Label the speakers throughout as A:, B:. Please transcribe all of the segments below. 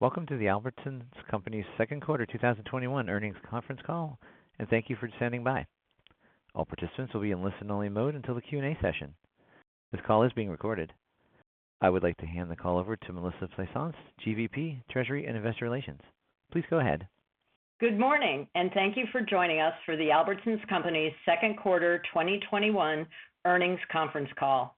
A: Welcome to the Albertsons Companies Q2 2021 Earnings Conference Call, and thank you for standing by. All participants will be in listen only mode until the Q&A session. This call is being recorded. I would like to hand the call over to Melissa Plaisance, GVP, Treasury and Investor Relations. Please go ahead.
B: Good morning, and thank you for joining us for the Albertsons Companies Q2 2021 Earnings Conference Call.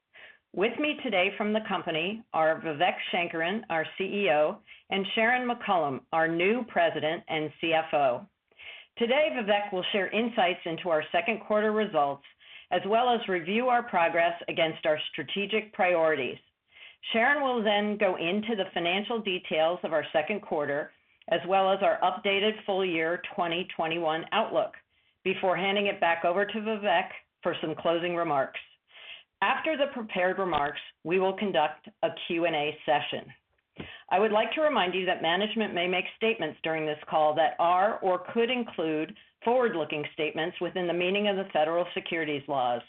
B: With me today from the company are Vivek Sankaran, our CEO, and Sharon McCollam, our new President and CFO. Today, Vivek will share insights into our Q2 results, as well as review our progress against our strategic priorities. Sharon will then go into the financial details of our Q2, as well as our updated full year 2021 outlook, before handing it back over to Vivek for some closing remarks. After the prepared remarks, we will conduct a Q&A session. I would like to remind you that management may make statements during this call that are or could include forward-looking statements within the meaning of the Federal Securities Laws.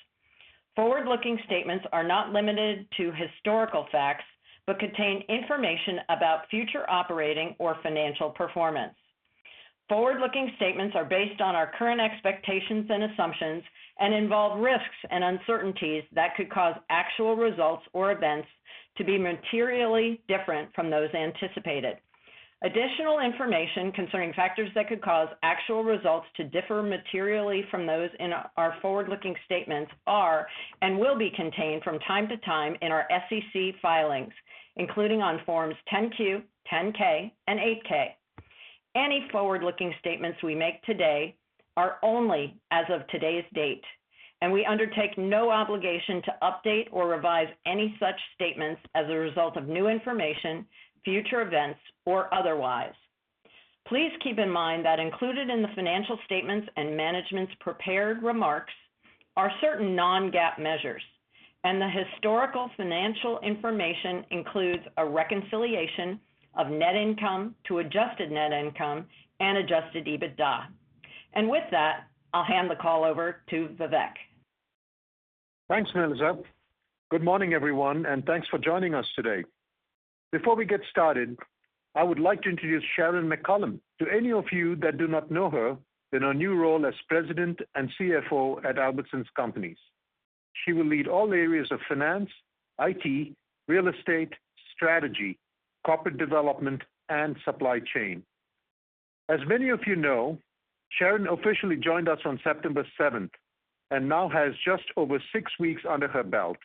B: Forward-looking statements are not limited to historical facts, but contain information about future operating or financial performance. Forward-looking statements are based on our current expectations and assumptions and involve risks and uncertainties that could cause actual results or events to be materially different from those anticipated. Additional information concerning factors that could cause actual results to differ materially from those in our forward-looking statements are, and will be contained from time to time in our SEC filings, including on Forms 10-Q, 10-K, and 8-K. Any forward-looking statements we make today are only as of today's date, and we undertake no obligation to update or revise any such statements as a result of new information, future events, or otherwise. Please keep in mind that included in the financial statements and management's prepared remarks are certain non-GAAP measures, and the historical financial information includes a reconciliation of net income to adjusted net income and Adjusted EBITDA. With that, I'll hand the call over to Vivek.
C: Thanks, Melissa. Good morning, everyone, and thanks for joining us today. Before we get started, I would like to introduce Sharon McCollam to any of you that do not know her in her new role as President and CFO at Albertsons Companies. She will lead all areas of finance, IT, real estate, strategy, corporate development, and supply chain. As many of you know, Sharon officially joined us on September 7th and now has just over six weeks under her belt.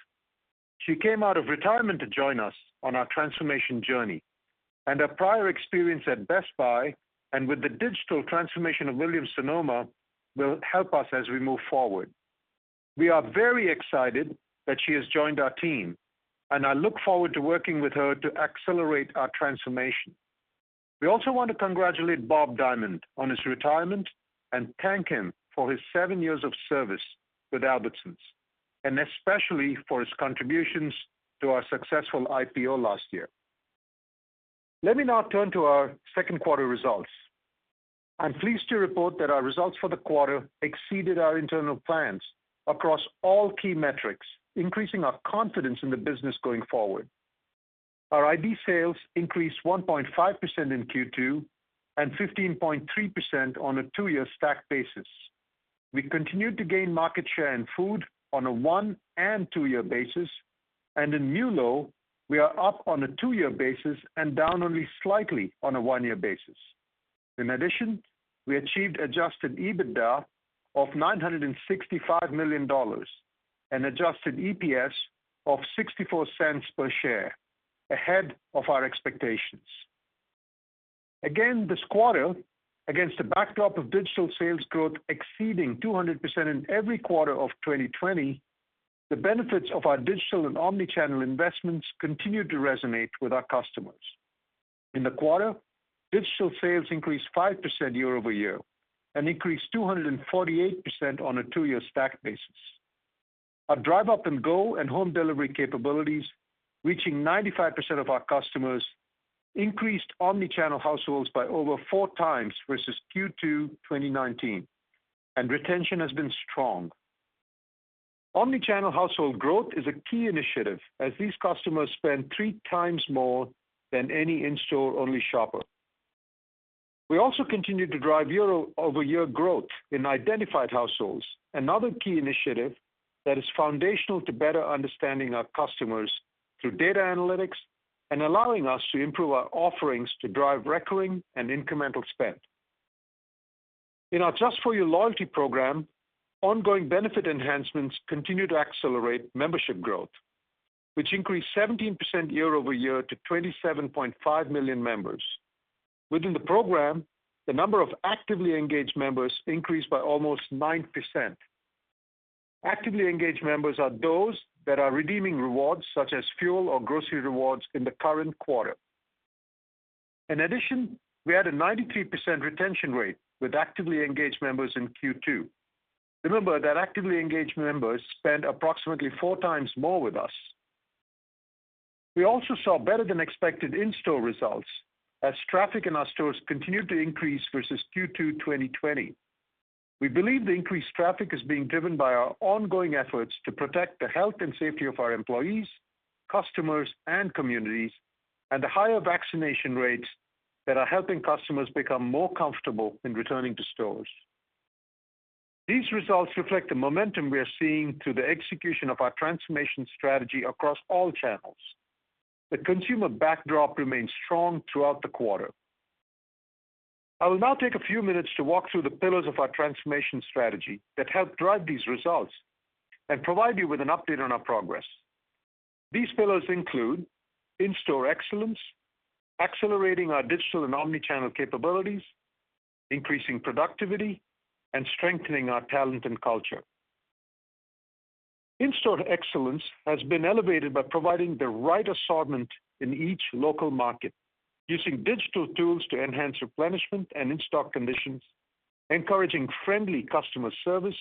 C: She came out of retirement to join us on our transformation journey. Her prior experience at Best Buy and with the digital transformation of Williams-Sonoma will help us as we move forward. We are very excited that she has joined our team. I look forward to working with her to accelerate our transformation. We also want to congratulate Bob Dimond on his retirement and thank him for his seven years of service with Albertsons, and especially for his contributions to our successful IPO last year. Let me now turn to our Q2 results. I'm pleased to report that our results for the quarter exceeded our internal plans across all key metrics, increasing our confidence in the business going forward. Our identical sales increased 1.5% in Q2 and 15.3% on a two-year stack basis. We continued to gain market share in food on a one and two year basis, and in non-food, we are up on a two-year basis and down only slightly on a one-year basis. In addition, we achieved Adjusted EBITDA of $965 million and adjusted EPS of $0.64 per share, ahead of our expectations. Again this quarter, against a backdrop of digital sales growth exceeding 200% in every quarter of 2020, the benefits of our digital and omnichannel investments continued to resonate with our customers. In the quarter, digital sales increased 5% year-over-year and increased 248% on a two-year stack basis. Our DriveUp & Go and Home Delivery capabilities, reaching 95% of our customers, increased omnichannel households by over 4x versus Q2 2019, and retention has been strong. Omnichannel household growth is a key initiative as these customers spend three times more than any in-store only shopper. We also continued to drive year-over-year growth in identified households, another key initiative that is foundational to better understanding our customers through data analytics and allowing us to improve our offerings to drive recurring and incremental spend. In our just for U loyalty program, ongoing benefit enhancements continue to accelerate membership growth, which increased 17% year-over-year to 27.5 million members. Within the program, the number of actively engaged members increased by almost 9%. Actively engaged members are those that are redeeming rewards such as fuel or grocery rewards in the current quarter. In addition, we had a 93% retention rate with actively engaged members in Q2. Remember that actively engaged members spend approximately 4x more with us. We also saw better than expected in-store results as traffic in our stores continued to increase versus Q2 2020. We believe the increased traffic is being driven by our ongoing efforts to protect the health and safety of our employees, customers, and communities, and the higher vaccination rates that are helping customers become more comfortable in returning to stores. These results reflect the momentum we are seeing through the execution of our transformation strategy across all channels. The consumer backdrop remained strong throughout the quarter. I will now take a few minutes to walk through the pillars of our transformation strategy that helped drive these results and provide you with an update on our progress. These pillars include In-Store Excellence, accelerating our digital and omni-channel capabilities, increasing productivity, and strengthening our talent and culture. In-Store Excellence has been elevated by providing the right assortment in each local market using digital tools to enhance replenishment and in-stock conditions, encouraging friendly customer service,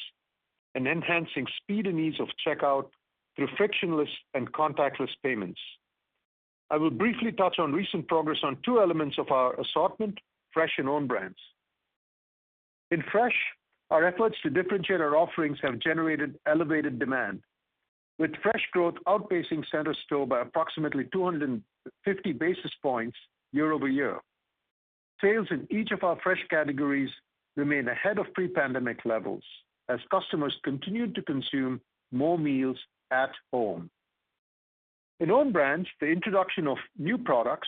C: and enhancing speed and ease of checkout through frictionless and contactless payments. I will briefly touch on recent progress on two elements of our assortment, Fresh and Own Brands. In Fresh, our efforts to differentiate our offerings have generated elevated demand, with Fresh growth outpacing center store by approximately 250 basis points year-over-year. Sales in each of our Fresh categories remain ahead of pre-pandemic levels as customers continued to consume more meals at home. In Own Brands, the introduction of new products,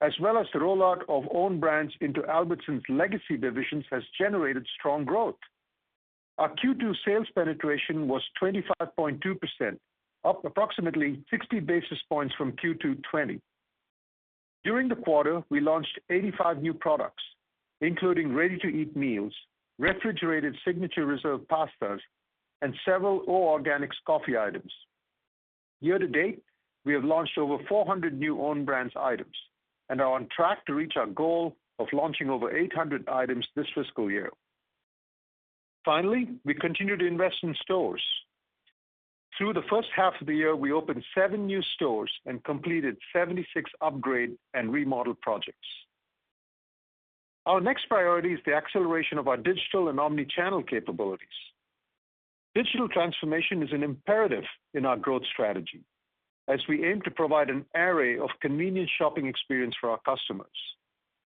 C: as well as the rollout of Own Brands into Albertsons' legacy divisions, has generated strong growth. Our Q2 sales penetration was 25.2%, up approximately 60 basis points from Q2 2020. During the quarter, we launched 85 new products, including ready-to-eat meals, refrigerated Signature Reserve pastas, and several O Organics coffee items. Year-to-date, we have launched over 400 new Own Brands items and are on track to reach our goal of launching over 800 items this fiscal year. Finally, we continued to invest in stores. Through the first half of the year, we opened seven new stores and completed 76 upgrade and remodel projects. Our next priority is the acceleration of our digital and omni-channel capabilities. Digital transformation is an imperative in our growth strategy as we aim to provide an array of convenient shopping experience for our customers.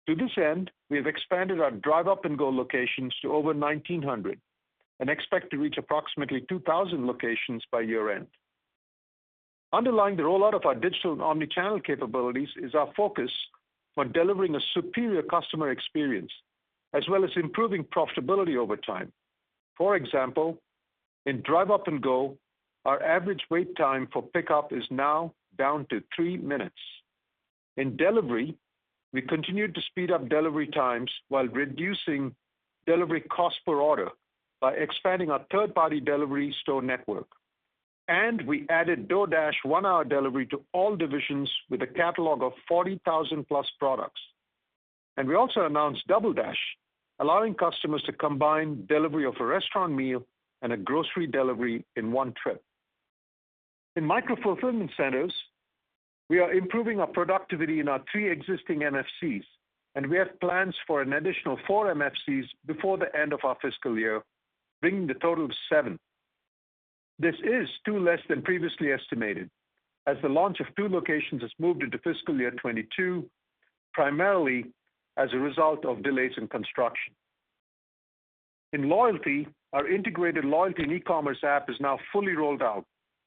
C: To this end, we have expanded our DriveUp & Go locations to over 1,900 and expect to reach approximately 2,000 locations by year-end. Underlying the rollout of our digital and omni-channel capabilities is our focus on delivering a superior customer experience as well as improving profitability over time. For example, in DriveUp & Go, our average wait time for pickup is now down to three minutes. In delivery, we continued to speed up delivery times while reducing delivery cost per order by expanding our third-party delivery store network. We added DoorDash one-hour delivery to all divisions with a catalog of 40,000+ products. We also announced DoubleDash, allowing customers to combine delivery of a restaurant meal and a grocery delivery in one trip. In Micro-Fulfillment Centers, we are improving our productivity in our three existing MFCs, and we have plans for an additional four MFCs before the end of our fiscal year, bringing the total to seven. This is two less than previously estimated, as the launch of two locations has moved into fiscal year 2022, primarily as a result of delays in construction. In loyalty, our integrated loyalty and e-commerce app is now fully rolled out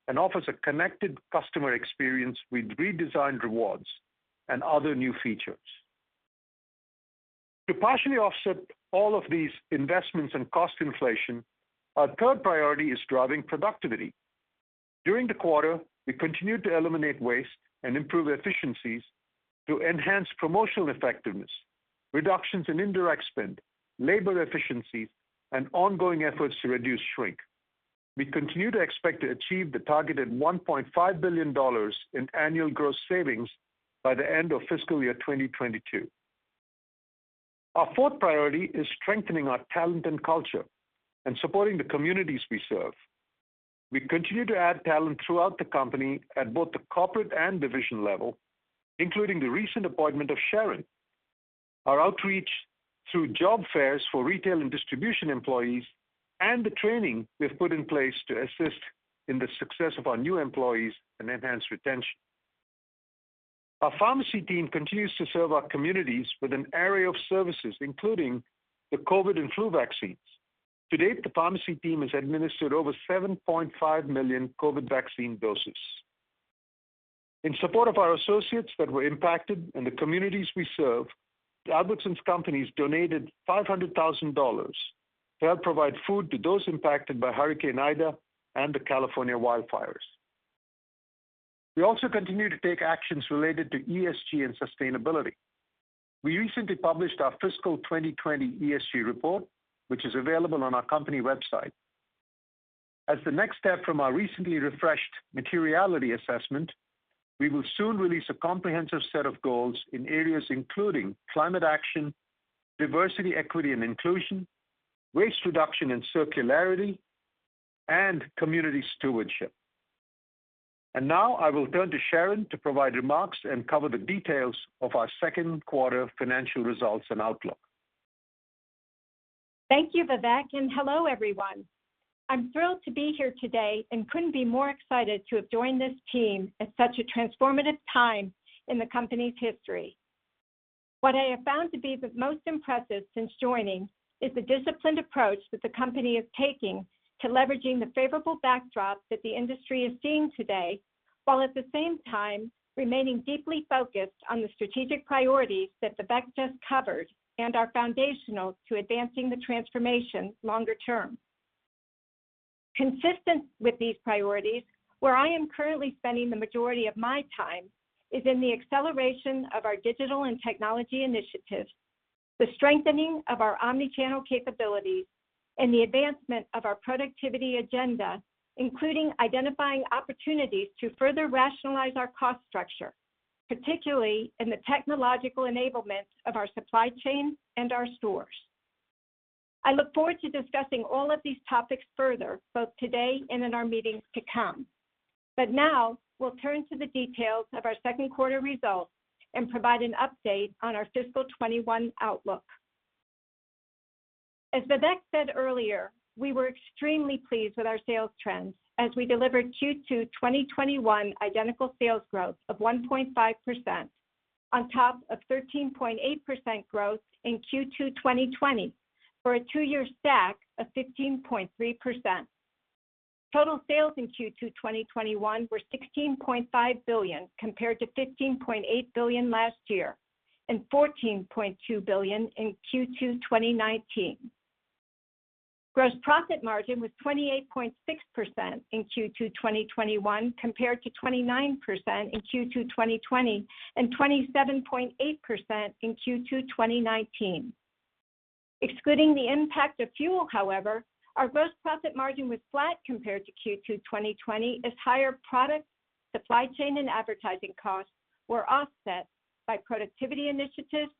C: and offers a connected customer experience with redesigned rewards and other new features. To partially offset all of these investments and cost inflation, our third priority is driving productivity. During the quarter, we continued to eliminate waste and improve efficiencies through enhanced promotional effectiveness, reductions in indirect spend, labor efficiencies, and ongoing efforts to reduce shrink. We continue to expect to achieve the targeted $1.5 billion in annual gross savings by the end of fiscal year 2022. Our fourth priority is strengthening our talent and culture and supporting the communities we serve. We continue to add talent throughout the company at both the corporate and division level, including the recent appointment of Sharon, our outreach through job fairs for retail and distribution employees, and the training we've put in place to assist in the success of our new employees and enhance retention. Our pharmacy team continues to serve our communities with an array of services, including the COVID and flu vaccines. To date, the pharmacy team has administered over 7.5 million COVID vaccine doses. In support of our associates that were impacted and the communities we serve, the Albertsons Companies donated $500,000 to help provide food to those impacted by Hurricane Ida and the California wildfires. We also continue to take actions related to ESG and sustainability. We recently published our fiscal 2020 ESG report, which is available on our company website. As the next step from our recently refreshed materiality assessment, we will soon release a comprehensive set of goals in areas including climate action, diversity, equity, and inclusion, waste reduction and circularity, and community stewardship. Now I will turn to Sharon to provide remarks and cover the details of our Q2 financial results and outlook.
D: Thank you, Vivek, and hello, everyone. I'm thrilled to be here today and couldn't be more excited to have joined this team at such a transformative time in the company's history. What I have found to be the most impressive since joining is the disciplined approach that the company is taking to leveraging the favorable backdrop that the industry is seeing today, while at the same time remaining deeply focused on the strategic priorities that Vivek just covered and are foundational to advancing the transformation longer term. Consistent with these priorities, where I am currently spending the majority of my time is in the acceleration of our digital and technology initiatives, the strengthening of our omnichannel capabilities, and the advancement of our productivity agenda, including identifying opportunities to further rationalize our cost structure, particularly in the technological enablement of our supply chain and our stores. I look forward to discussing all of these topics further, both today and in our meetings to come. Now we'll turn to the details of our Q2 results and provide an update on our fiscal 2021 outlook. As Vivek said earlier, we were extremely pleased with our sales trends as we delivered Q2 2021 identical sales growth of 1.5% on top of 13.8% growth in Q2 2020 for a two-year stack of 15.3%. Total sales in Q2 2021 were $16.5 billion, compared to $15.8 billion last year and $14.2 billion in Q2 2019. Gross profit margin was 28.6% in Q2 2021, compared to 29% in Q2 2020 and 27.8% in Q2 2019. Excluding the impact of fuel, however, our gross profit margin was flat compared to Q2 2020 as higher product, supply chain, and advertising costs were offset by productivity initiatives,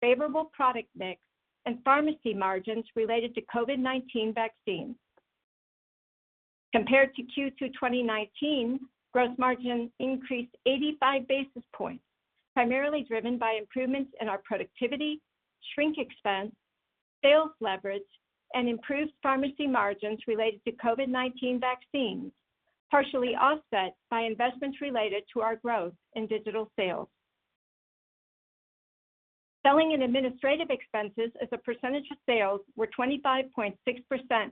D: favorable product mix, and pharmacy margins related to COVID-19 vaccines. Compared to Q2 2019, gross margin increased 85 basis points, primarily driven by improvements in our productivity, shrink expense, sales leverage, and improved pharmacy margins related to COVID-19 vaccines, partially offset by investments related to our growth in digital sales. Selling and administrative expenses as a percentage of sales were 25.6%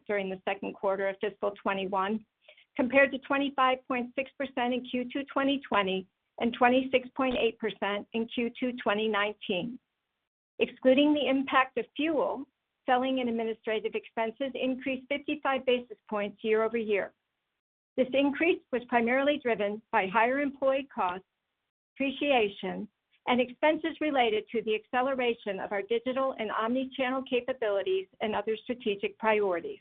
D: during the Q2 of fiscal 2021, compared to 25.6% in Q2 2020 and 26.8% in Q2 2019. Excluding the impact of fuel, selling and administrative expenses increased 55 basis points year-over-year. This increase was primarily driven by higher employee costs, depreciation, and expenses related to the acceleration of our digital and omnichannel capabilities and other strategic priorities.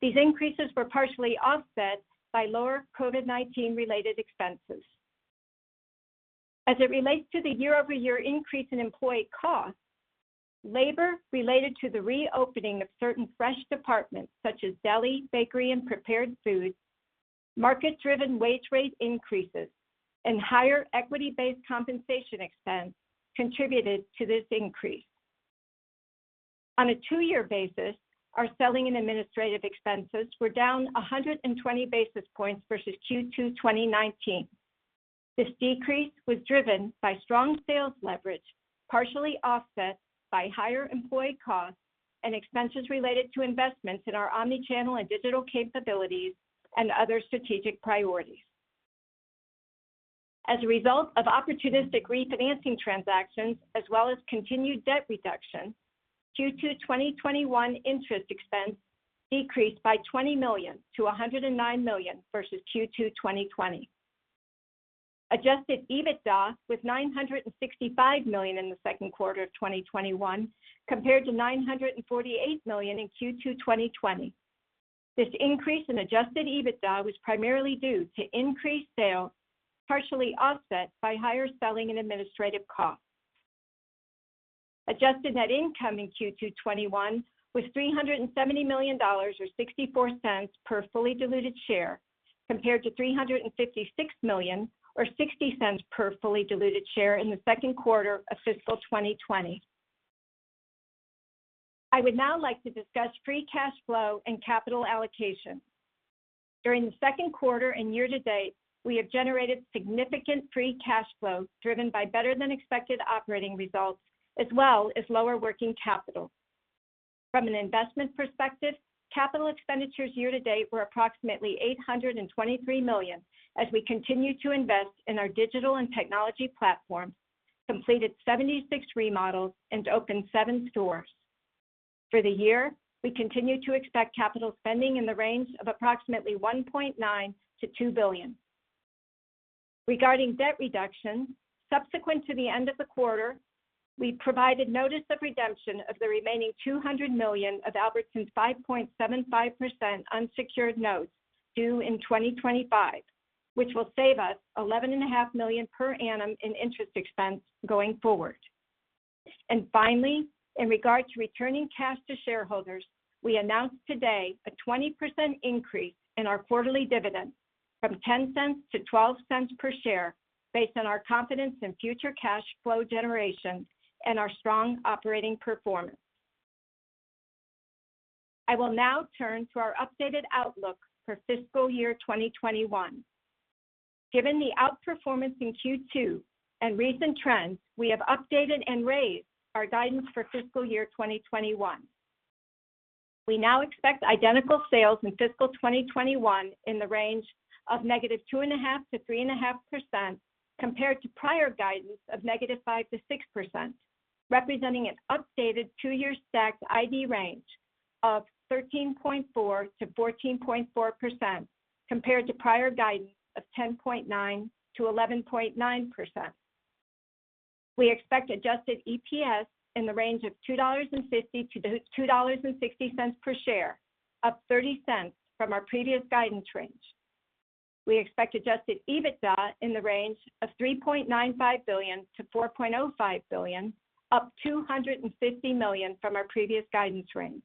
D: These increases were partially offset by lower COVID-19 related expenses. As it relates to the year-over-year increase in employee costs, labor related to the reopening of certain fresh departments such as deli, bakery, and prepared foods, market-driven wage rate increases, and higher equity-based compensation expense contributed to this increase. On a two-year basis, our selling and administrative expenses were down 120 basis points versus Q2 2019. This decrease was driven by strong sales leverage, partially offset by higher employee costs and expenses related to investments in our omnichannel and digital capabilities and other strategic priorities. As a result of opportunistic refinancing transactions as well as continued debt reduction, Q2 2022 interest expense decreased by $20 million to $109 million versus Q2 2020. Adjusted EBITDA was $965 million in the Q2 of 2021 compared to $948 million in Q2 2020. This increase in Adjusted EBITDA was primarily due to increased sales, partially offset by higher selling and administrative costs. Adjusted net income in Q2 2021 was $370 million, or $0.64 per fully diluted share, compared to $356 million or $0.60 per fully diluted share in the Q2 of fiscal 2020. I would now like to discuss free cash flow and capital allocation. During the Q2 and year-to-date, we have generated significant free cash flow driven by better than expected operating results as well as lower working capital. From an investment perspective, capital expenditures year-to-date were approximately $823 million as we continued to invest in our digital and technology platform, completed 76 remodels, and opened seven stores. For the year, we continue to expect capital spending in the range of approximately $1.9 billion-$2 billion. Regarding debt reduction, subsequent to the end of the quarter, we provided notice of redemption of the remaining $200 million of Albertsons 5.75% unsecured notes due in 2025, which will save us $11.5 million per annum in interest expense going forward. Finally, in regard to returning cash to shareholders, we announced today a 20% increase in our quarterly dividend from $0.10 to $0.12 per share based on our confidence in future cash flow generation and our strong operating performance. I will now turn to our updated outlook for fiscal year 2021. Given the outperformance in Q2 and recent trends, we have updated and raised our guidance for fiscal year 2021. We now expect identical sales in fiscal 2021 in the range of -2.5%-3.5%, compared to prior guidance of -5%-6%, representing an updated two-year stacked ID range of 13.4%-14.4%, compared to prior guidance of 10.9%-11.9%. We expect adjusted EPS in the range of $2.50-$2.60 per share, up $0.30 from our previous guidance range. We expect Adjusted EBITDA in the range of $3.95 billion-$4.05 billion, up $250 million from our previous guidance range.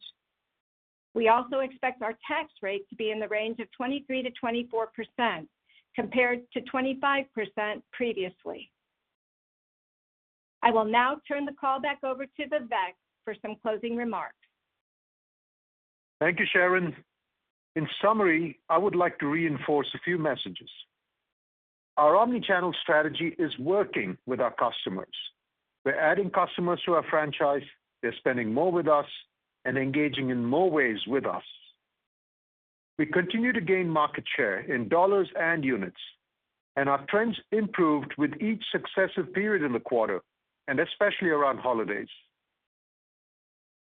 D: We also expect our tax rate to be in the range of 23%-24%, compared to 25% previously. I will now turn the call back over to Vivek for some closing remarks.
C: Thank you, Sharon. In summary, I would like to reinforce a few messages. Our omni-channel strategy is working with our customers. We're adding customers to our franchise, they're spending more with us, and engaging in more ways with us. We continue to gain market share in dollars and units, and our trends improved with each successive period in the quarter, and especially around holidays.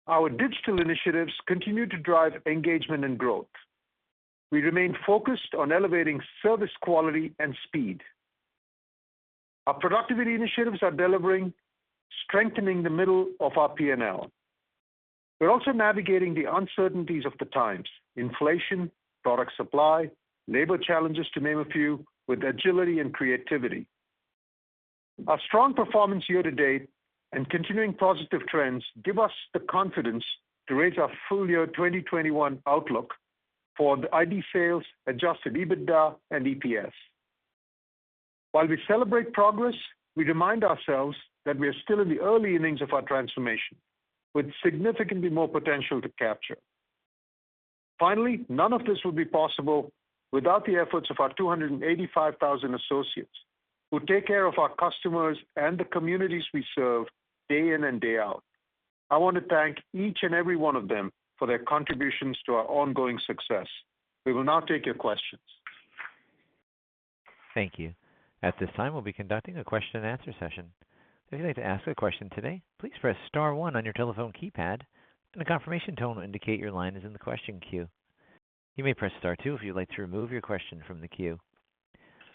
C: Our digital initiatives continue to drive engagement and growth. We remain focused on elevating service quality and speed. Our productivity initiatives are delivering, strengthening the middle of our P&L. We're also navigating the uncertainties of the times, inflation, product supply, labor challenges to name a few, with agility and creativity. Our strong performance year-to-date and continuing positive trends give us the confidence to raise our full year 2021 outlook for the Identical sales, Adjusted EBITDA, and EPS. While we celebrate progress, we remind ourselves that we are still in the early innings of our transformation with significantly more potential to capture. Finally, none of this would be possible without the efforts of our 285,000 associates who take care of our customers and the communities we serve day in and day out. I want to thank each and every one of them for their contributions to our ongoing success. We will now take your questions.
A: Thank you. At this time, we'll be conducting a question-and-answer session. If you'd like to ask a question today, please press star one on your telephone keypad and a confirmation tone will indicate your line is in the question queue. You may press star two if you'd like to remove your question from the queue.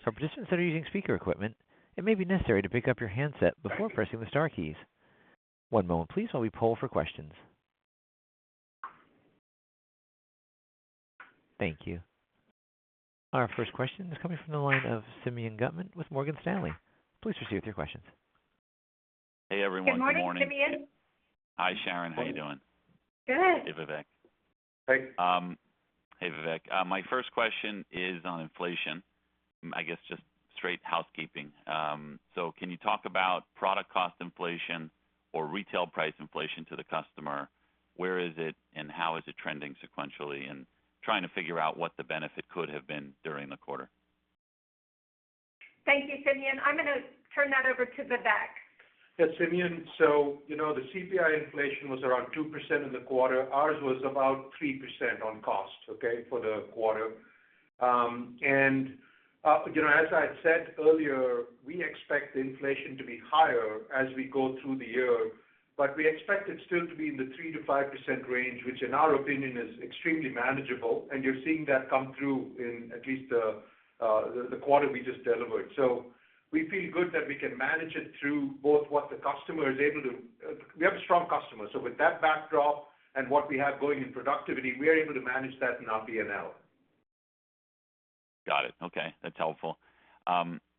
A: For participants that are using speaker equipment, it may be necessary to pick up your handset before pressing the star keys. One moment please while we poll for questions. Thank you. Our first question is coming from the line of Simeon Gutman with Morgan Stanley. Please proceed with your questions.
E: Hey, everyone. Good morning.
D: Good morning, Simeon.
E: Hi, Sharon. How are you doing?
D: Good.
E: Hey, Vivek.
C: Hey.
E: Hey, Vivek. My first question is on inflation. I guess just straight housekeeping. Can you talk about product cost inflation or retail price inflation to the customer? Where is it and how is it trending sequentially, and trying to figure out what the benefit could have been during the quarter?
D: Thank you, Simeon. I'm going to turn that over to Vivek.
C: Yes, Simeon. The CPI inflation was around 2% in the quarter. Ours was about 3% on cost, okay, for the quarter. As I had said earlier, we expect inflation to be higher as we go through the year, but we expect it still to be in the 3%-5% range, which in our opinion is extremely manageable, and you're seeing that come through in at least the quarter we just delivered. We feel good that we can manage it through both, we have a strong customer, so with that backdrop and what we have going in productivity, we are able to manage that in our P&L.
E: Got it. Okay. That's helpful.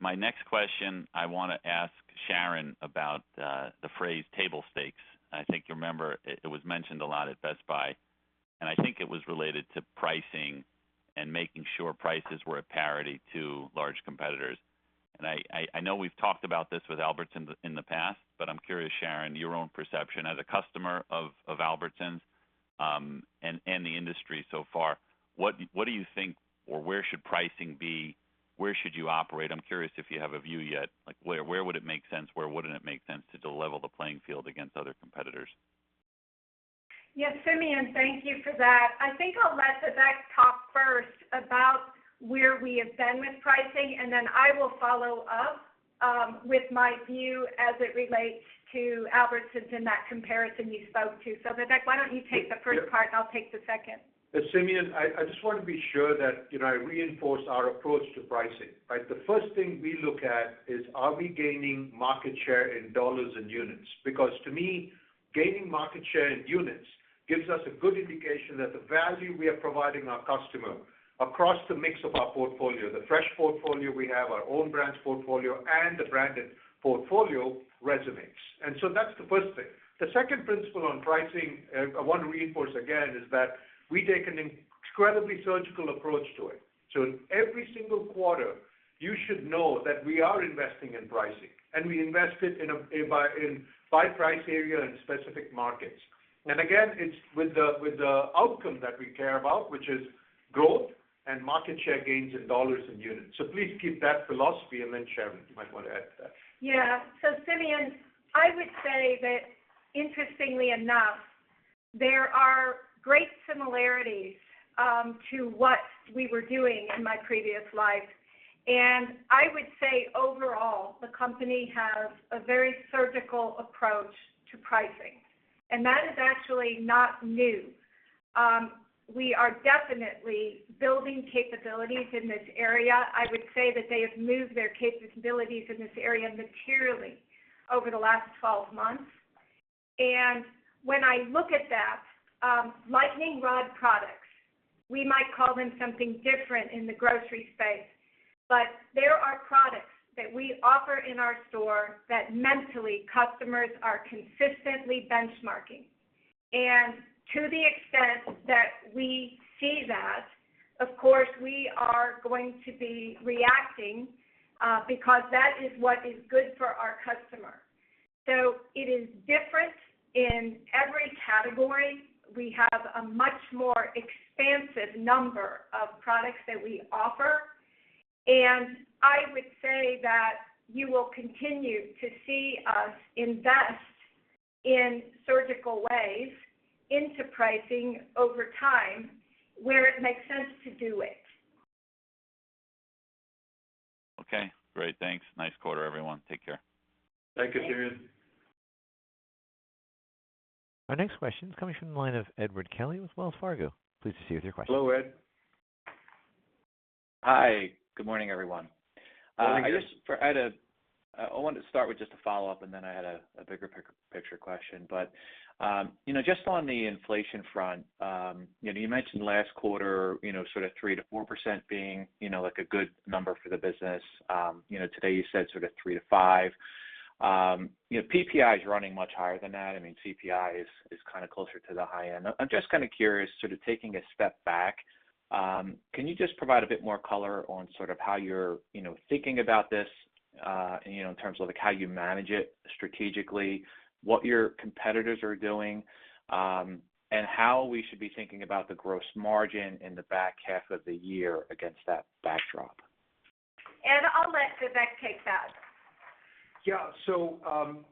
E: My next question, I want to ask Sharon about the phrase table stakes. I think you remember it was mentioned a lot at Best Buy, I think it was related to pricing and making sure prices were at parity to large competitors. I know we've talked about this with Albertsons in the past, but I'm curious, Sharon, your own perception as a customer of Albertsons, and the industry so far, what do you think or where should pricing be? Where should you operate? I'm curious if you have a view yet. Where would it make sense, where wouldn't it make sense to level the playing field against other competitors?
D: Yes, Simeon, thank you for that. I think I'll let Vivek talk first about where we have been with pricing, and then I will follow up with my view as it relates to Albertsons in that comparison you spoke to. Vivek, why don't you take the first part, and I'll take the second.
C: Simeon, I just want to be sure that I reinforce our approach to pricing, right? The first thing we look at is, are we gaining market share in dollars and units? Gaining market share in units gives us a good indication that the value we are providing our customer across the mix of our portfolio, the Fresh portfolio we have, our Own Brands portfolio, and the Branded portfolio, resonates. That's the first thing. The second principle on pricing, I want to reinforce again, is that we take an incredibly surgical approach to it. In every single quarter, you should know that we are investing in pricing, and we invest it by price area in specific markets. Again, it's with the outcome that we care about, which is growth and market share gains in dollars and units. Please keep that philosophy, and then Sharon, you might want to add to that.
D: Yeah. Simeon, I would say that interestingly enough, there are great similarities to what we were doing in my previous life. I would say overall, the company has a very surgical approach to pricing, and that is actually not new. We are definitely building capabilities in this area. I would say that they have moved their capabilities in this area materially over the last 12 months. When I look at that, lightning rod products, we might call them something different in the grocery space, but they are products that we offer in our store that mentally customers are consistently benchmarking. To the extent that we see that, of course, we are going to be reacting because that is what is good for our customer. It is different in every category. We have a much more expansive number of products that we offer. I would say that you will continue to see us invest in surgical ways into pricing over time where it makes sense to do it.
E: Okay, great. Thanks. Nice quarter, everyone. Take care.
C: Thank you, Simeon.
A: Our next question is coming from the line of Edward Kelly with Wells Fargo. Please proceed with your question.
C: Hello, Ed.
F: Hi. Good morning, everyone.
C: Good morning, Ed.
F: I wanted to start with just a follow-up, and then I had a bigger picture question. Just on the inflation front, you mentioned last quarter, sort of 3%-4% being a good number for the business. Today you said sort of 3%-5%. PPI is running much higher than that. I mean, CPI is kind of closer to the high end. I'm just kind of curious, sort of taking a step back, can you just provide a bit more color on how you're thinking about this in terms of how you manage it strategically, what your competitors are doing, and how we should be thinking about the gross margin in the back half of the year against that backdrop?
D: Ed, I'll let Vivek take that.
C: Yeah.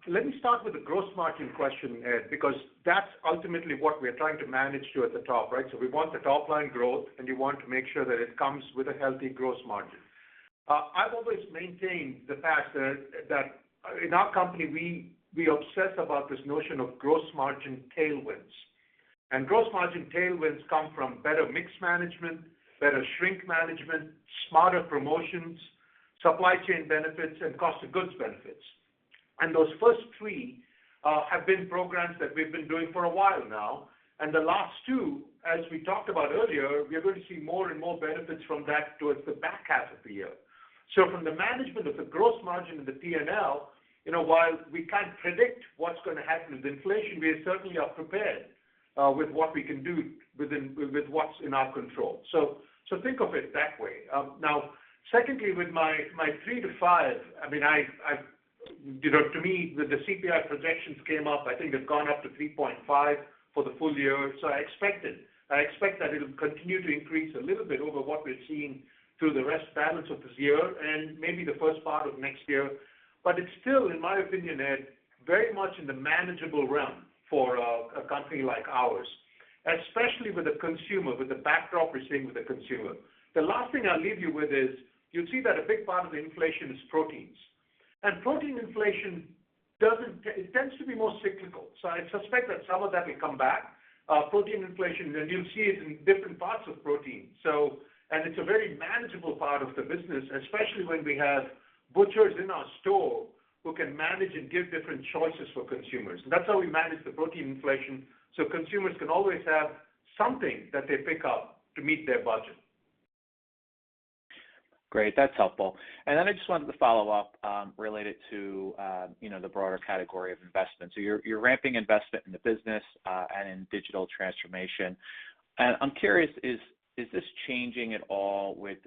C: Let me start with the gross margin question, Ed, because that's ultimately what we're trying to manage to at the top, right? We want the top line growth, and we want to make sure that it comes with a healthy gross margin. I've always maintained the fact that in our company, we obsess about this notion of gross margin tailwinds. Gross margin tailwinds come from better mix management, better shrink management, smarter promotions, supply chain benefits, and cost of goods benefits. Those first three have been programs that we've been doing for a while now. The last two, as we talked about earlier, we are going to see more and more benefits from that towards the back half of the year. From the management of the gross margin and the P&L, while we can't predict what's going to happen with inflation, we certainly are prepared with what we can do with what's in our control. Think of it that way. Secondly, with my 3%-5%, to me, with the CPI projections came up, I think they've gone up to 3.5% for the full year. So I expect it. I expect that it will continue to increase a little bit over what we've seen through the rest balance of this year and maybe the first part of next year. But it's still, in my opinion, Ed, very much in the manageable realm for a company like ours, especially with the consumer, with the backdrop we're seeing with the consumer. The last thing I'll leave you with is, you'll see that a big part of inflation is proteins. Protein inflation, it tends to be more cyclical. I suspect that some of that may come back. Protein inflation, you'll see it in different parts of protein. It's a very manageable part of the business, especially when we have butchers in our store who can manage and give different choices for consumers. That's how we manage the protein inflation, so consumers can always have something that they pick up to meet their budget.
F: Great. That's helpful. I just wanted to follow up related to the broader category of investments. You're ramping investment in the business and in digital transformation. I'm curious, is this changing at all with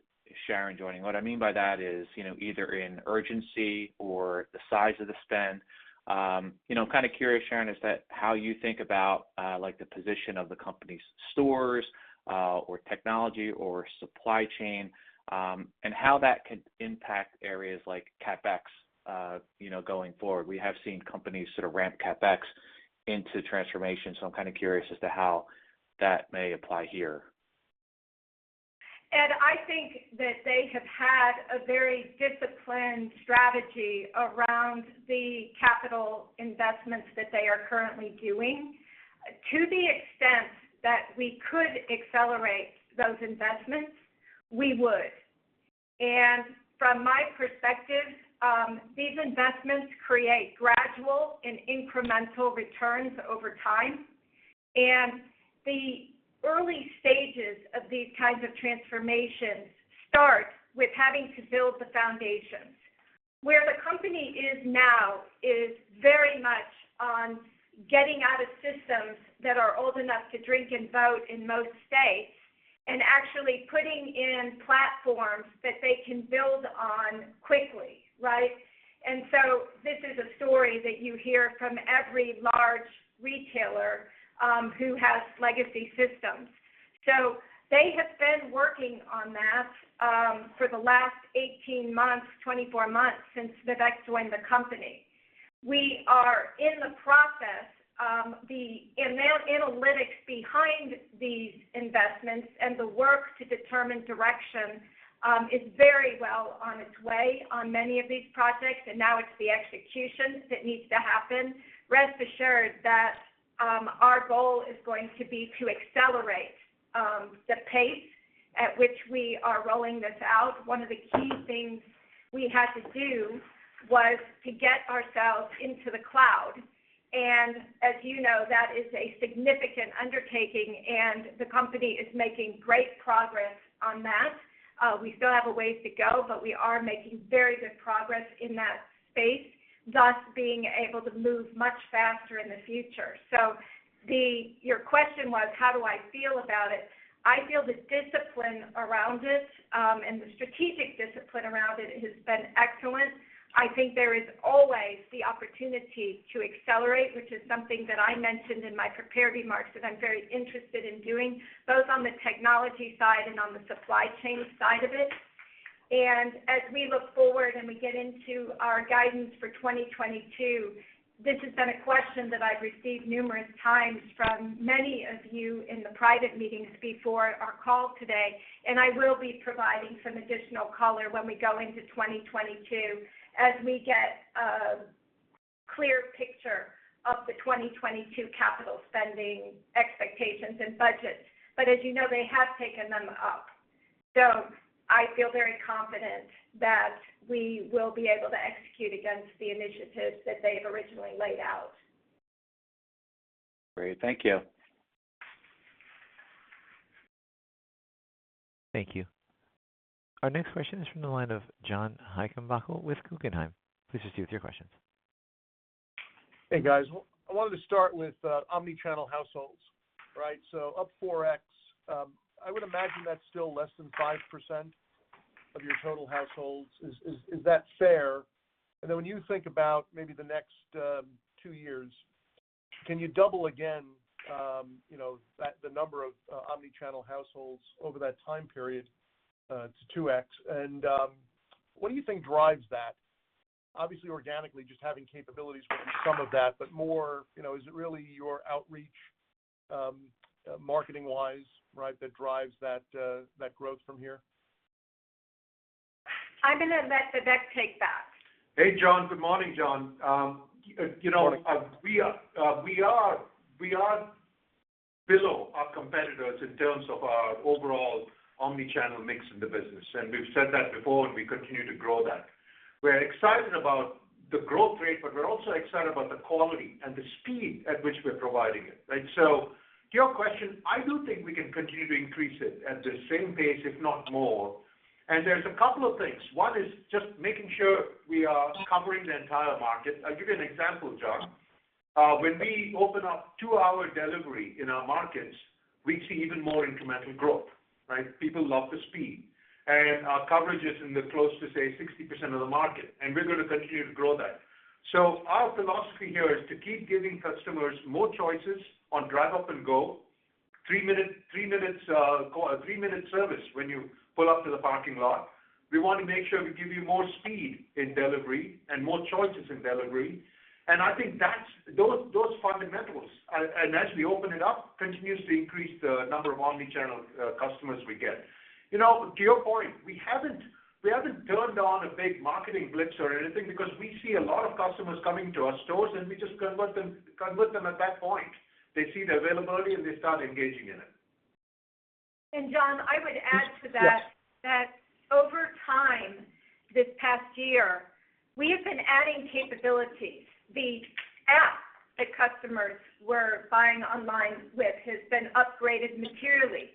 F: Sharon joining? What I mean by that is, either in urgency or the size of the spend. I'm kind of curious, Sharon, how you think about the position of the company's stores or technology or supply chain, and how that could impact areas like CapEx going forward. We have seen companies sort of ramp CapEx into transformation. I'm kind of curious as to how that may apply here.
D: Ed, I think that they have had a very disciplined strategy around the capital investments that they are currently doing. We could accelerate those investments, we would. From my perspective, these investments create gradual and incremental returns over time. The early stages of these kinds of transformations start with having to build the foundations. Where the company is now is very much on getting out of systems that are old enough to drink and vote in most states, and actually putting in platforms that they can build on quickly. Right? This is a story that you hear from every large retailer who has legacy systems. They have been working on that for the last 18 months, 24 months, since Vivek joined the company. We are in the process. The analytics behind these investments and the work to determine direction is very well on its way on many of these projects, and now it's the execution that needs to happen. Rest assured that our goal is going to be to accelerate the pace at which we are rolling this out. One of the key things we had to do was to get ourselves into the cloud, and as you know, that is a significant undertaking, and the company is making great progress on that. We still have a ways to go, but we are making very good progress in that space, thus being able to move much faster in the future. Your question was, how do I feel about it? I feel the discipline around it, and the strategic discipline around it, has been excellent. I think there is always the opportunity to accelerate, which is something that I mentioned in my prepared remarks that I'm very interested in doing, both on the technology side and on the supply chain side of it. As we look forward and we get into our guidance for 2022, this has been a question that I've received numerous times from many of you in the private meetings before our call today, and I will be providing some additional color when we go into 2022, as we get a clear picture of the 2022 capital spending expectations and budgets. As you know, they have taken them up. I feel very confident that we will be able to execute against the initiatives that they've originally laid out.
F: Great. Thank you.
A: Thank you. Our next question is from the line of John Heinbockel with Guggenheim. Please proceed with your questions.
G: Hey, guys. I wanted to start with omni-channel households. Right? Up 4x. I would imagine that's still less than 5% of your total households. Is that fair? Then when you think about maybe the next two years, can you double again the number of omni-channel households over that time period to 2x? What do you think drives that? Obviously, organically, just having capabilities will be some of that, but more, is it really your outreach marketing wise, that drives that growth from here?
D: I'm going to let Vivek take that.
C: Hey, John. Good morning, John. We are below our competitors in terms of our overall omni-channel mix in the business, and we've said that before, and we continue to grow that. We're excited about the growth rate, but we're also excited about the quality and the speed at which we're providing it, right? To your question, I do think we can continue to increase it at the same pace, if not more. There's a couple of things. One is just making sure we are covering the entire market. I'll give you an example, John. When we open up two-hour delivery in our markets, we see even more incremental growth, right? People love the speed. Our coverage is in the close to, say, 60% of the market, and we're going to continue to grow that. Our philosophy here is to keep giving customers more choices on DriveUp & Go, a three-minute service when you pull up to the parking lot. We want to make sure we give you more speed in delivery and more choices in delivery. I think those fundamentals, and as we open it up, continuously increase the number of omni-channel customers we get. To your point, we haven't turned on a big marketing blitz or anything because we see a lot of customers coming to our stores, and we just convert them at that point. They see the availability, and they start engaging in it.
D: John, I would add to that-
G: Yes
D: -that over time this past year, we have been adding capabilities. The app that customers were buying online with has been upgraded materially.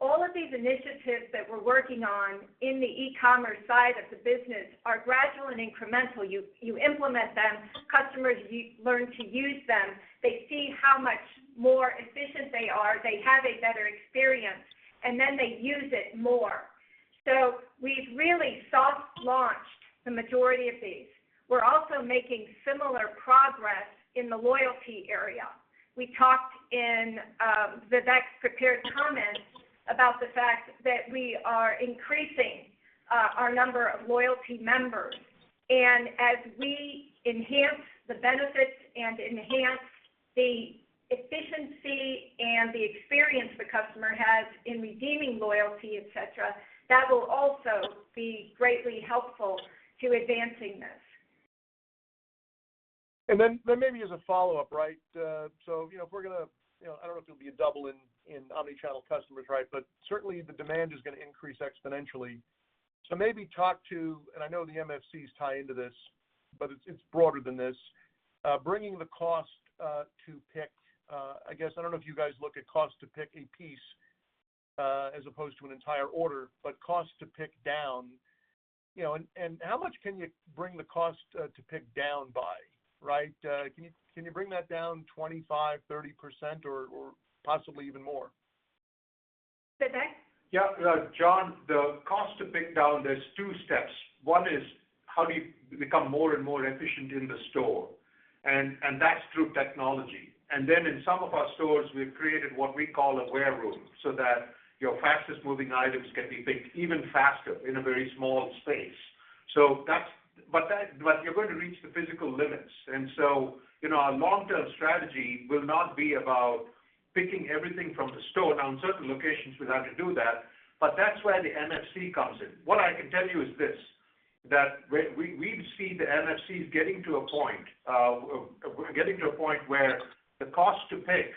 D: All of these initiatives that we're working on in the e-commerce side of the business are gradual and incremental. You implement them, customers learn to use them. They see how much more efficient they are, they have a better experience, and then they use it more. We've really soft launched the majority of these. We're also making similar progress in the loyalty area. We talked in Vivek's prepared comments about the fact that we are increasing our number of loyalty members. As we enhance the benefits and enhance the efficiency and the experience the customer has in redeeming loyalty, et cetera, that will also be greatly helpful to advancing this.
G: Maybe as a follow-up. I don't know if it'll be a double in omni-channel customers, but certainly the demand is going to increase exponentially. Maybe talk to, and I know the MFCs tie into this, but it's broader than this, bringing the cost to pick. I don't know if you guys look at cost to pick a piece as opposed to an entire order, but cost to pick down. How much can you bring the cost to pick down by? Can you bring that down 25%, 30%, or possibly even more?
D: Vivek?
C: John, the cost to pick down, there's two steps. One is how do you become more and more efficient in the store? That's through technology. Then in some of our stores, we've created what we call a war room, so that your fastest moving items can be picked even faster in a very small space. You're going to reach the physical limits. Our long-term strategy will not be about picking everything from the store. In certain locations, we'll have to do that, but that's where the MFC comes in. What I can tell you is this, that we see the MFCs getting to a point where the cost to pick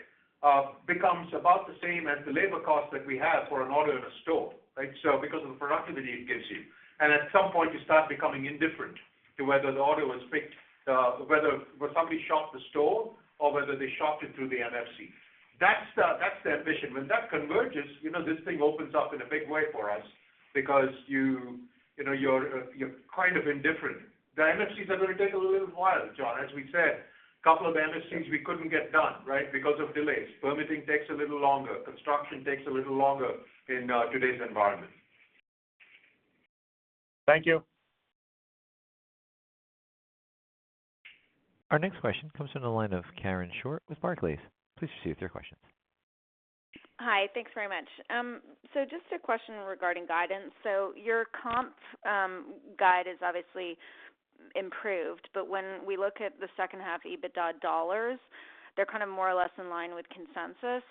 C: becomes about the same as the labor cost that we have for an order in a store. Because of the productivity it gives you. At some point, you start becoming indifferent to whether, when somebody shopped the store, or whether they shopped it through the MFC. That's the ambition. When that converges, this thing opens up in a big way for us because you're kind of indifferent. The MFCs are going to take a little while, John. As we said, two MFCs we couldn't get done because of delays. Permitting takes a little longer, construction takes a little longer in today's environment.
G: Thank you.
A: Our next question comes from the line of Karen Short with Barclays. Please proceed with your question.
H: Hi, thanks very much. Just a question regarding guidance. Your comp guide is obviously improved, but when we look at the second half EBITDA dollars, they're more or less in line with consensus.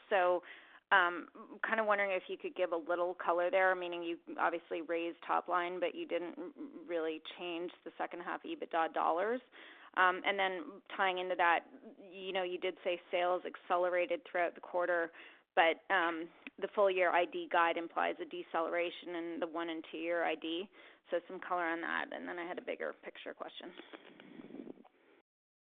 H: Wondering if you could give a little color there, meaning you obviously raised top line, but you didn't really change the second half EBITDA dollars. Tying into that, you did say sales accelerated throughout the quarter, but the full year ID guide implies a deceleration in the one and two year ID. Some color on that, and then I had a bigger picture question.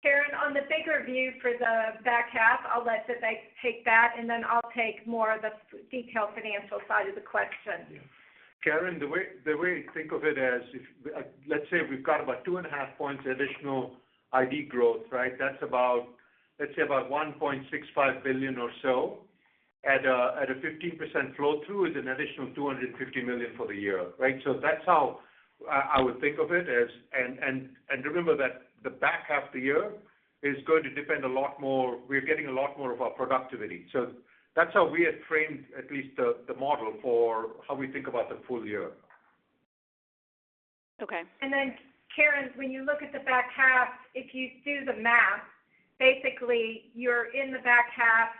D: Karen, on the bigger view for the back half, I'll let Vivek take that, then I'll take more of the detailed financial side of the question.
C: Karen, the way to think of it as, let's say we've got about 2.5 points additional ID growth. That's about, let's say about $1.65 billion or so at a 15% flow through is an additional $250 million for the year. That's how I would think of it. Remember that the back half of the year is going to depend a lot more, we're getting a lot more of our productivity. That's how we had framed at least the model for how we think about the full year.
H: Okay.
D: Karen, when you look at the back half, if you do the math, basically you're in the back half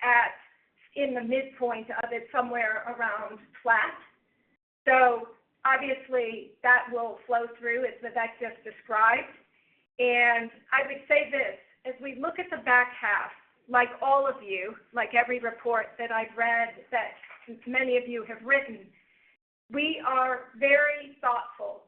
D: at in the midpoint of it somewhere around flat. Obviously that will flow through as Vivek just described. I would say this, as we look at the back half, like all of you, like every report that I've read, that many of you have written, we are very thoughtful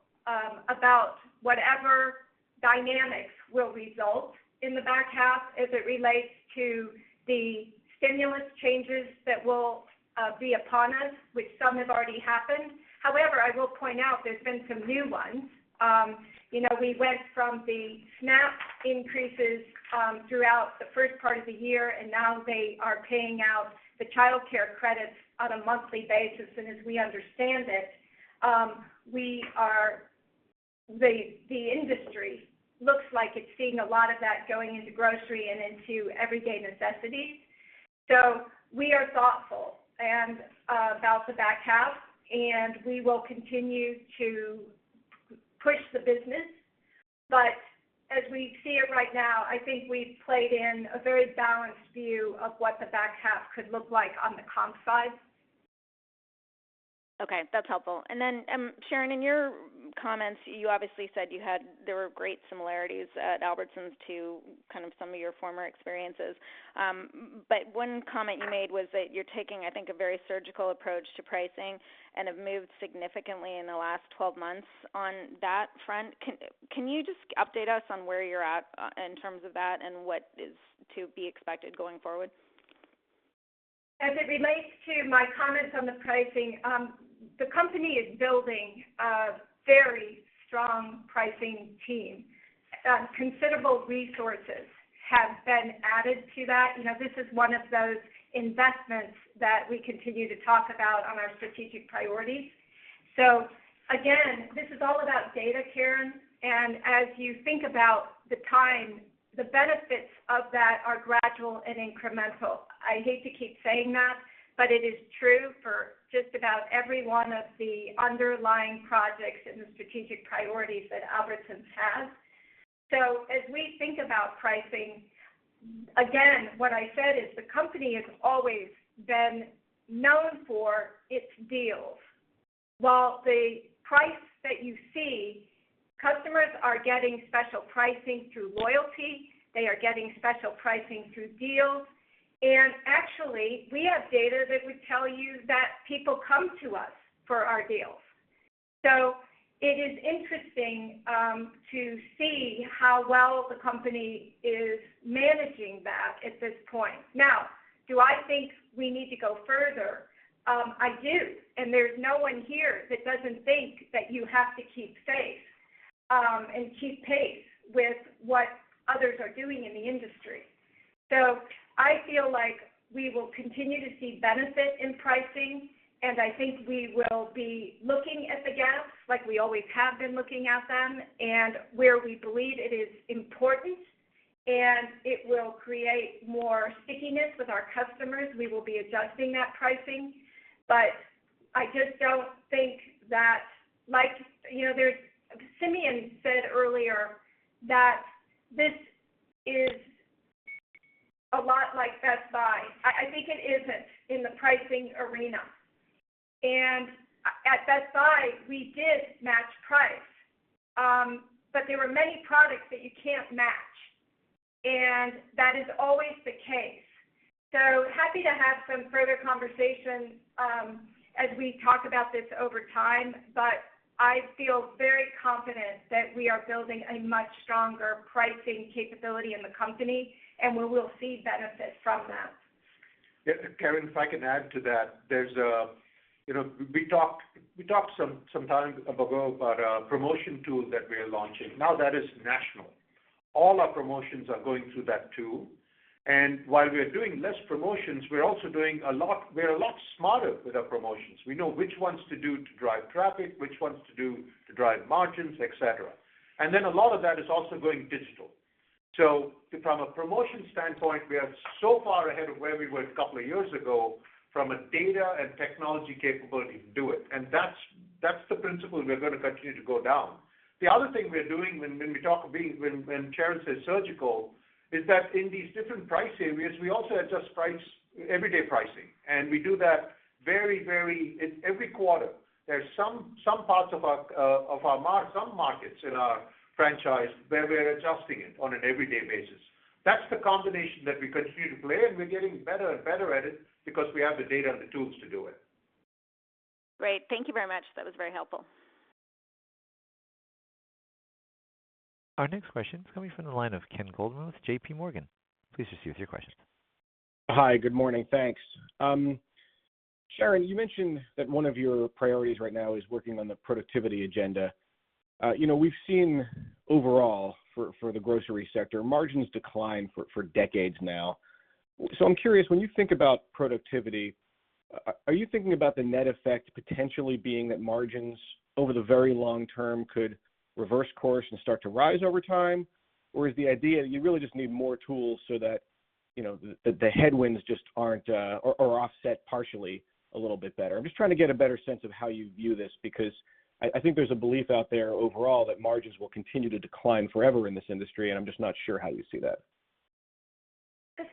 D: about whatever dynamics will result in the back half as it relates to the stimulus changes that will be upon us, which some have already happened. However, I will point out there's been some new ones. We went from the SNAP increases throughout the first part of the year. Now they are paying out the childcare credits on a monthly basis. As we understand it, the industry looks like it's seeing a lot of that going into grocery and into everyday necessities. We are thoughtful about the back half, and we will continue to push the business. As we see it right now, I think we've played in a very balanced view of what the back half could look like on the comp side.
H: Okay, that's helpful. Then, Sharon, in your comments, you obviously said there were great similarities at Albertsons to some of your former experiences. One comment you made was that you're taking, I think, a very surgical approach to pricing and have moved significantly in the last 12 months on that front. Can you just update us on where you're at in terms of that and what is to be expected going forward?
D: As it relates to my comments on the pricing, the company is building a very strong pricing team. Considerable resources have been added to that. This is one of those investments that we continue to talk about on our strategic priorities. Again, this is all about data, Karen, and as you think about the time, the benefits of that are gradual and incremental. I hate to keep saying that, but it is true for just about every one of the underlying projects and the strategic priorities that Albertsons Companies has. As we think about pricing. Again, what I said is the company has always been known for its deals. While the price that you see, customers are getting special pricing through loyalty, they are getting special pricing through deals, and actually, we have data that would tell you that people come to us for our deals. It is interesting to see how well the company is managing that at this point. Now, do I think we need to go further? I do, and there's no one here that doesn't think that you have to keep pace with what others are doing in the industry. I feel like we will continue to see benefit in pricing, and I think we will be looking at the gaps like we always have been looking at them, and where we believe it is important and it will create more stickiness with our customers, we will be adjusting that pricing. I just don't think that Simeon said earlier that this is a lot like Best Buy. I think it isn't in the pricing arena. At Best Buy, we did match price. There were many products that you can't match, and that is always the case. Happy to have some further conversation as we talk about this over time, but I feel very confident that we are building a much stronger pricing capability in the company, and we will see benefit from that.
C: Yeah, Karen, if I can add to that, we talked some time ago about a promotion tool that we are launching. That is national. All our promotions are going through that tool. While we are doing less promotions, we are a lot smarter with our promotions. We know which ones to do to drive traffic, which ones to do to drive margins, et cetera. A lot of that is also going digital. From a promotion standpoint, we are so far ahead of where we were a couple of years ago from a data and technology capability to do it. That's the principle we're going to continue to go down. The other thing we're doing when Karen says surgical, is that in these different price areas, we also adjust everyday pricing, and we do that every quarter. There's some parts of our markets in our franchise where we're adjusting it on an everyday basis. That's the combination that we continue to play, and we're getting better and better at it because we have the data and the tools to do it.
H: Great. Thank you very much. That was very helpful.
A: Our next question is coming from the line of Ken Goldman with JPMorgan. Please proceed with your question.
I: Hi. Good morning. Thanks. Sharon, you mentioned that one of your priorities right now is working on the productivity agenda. We've seen overall for the grocery sector, margins decline for decades now. I'm curious, when you think about productivity, are you thinking about the net effect potentially being that margins over the very long term could reverse course and start to rise over time? Or is the idea you really just need more tools so that the headwinds just aren't, or offset partially a little bit better? I'm just trying to get a better sense of how you view this, because I think there's a belief out there overall that margins will continue to decline forever in this industry, and I'm just not sure how you see that.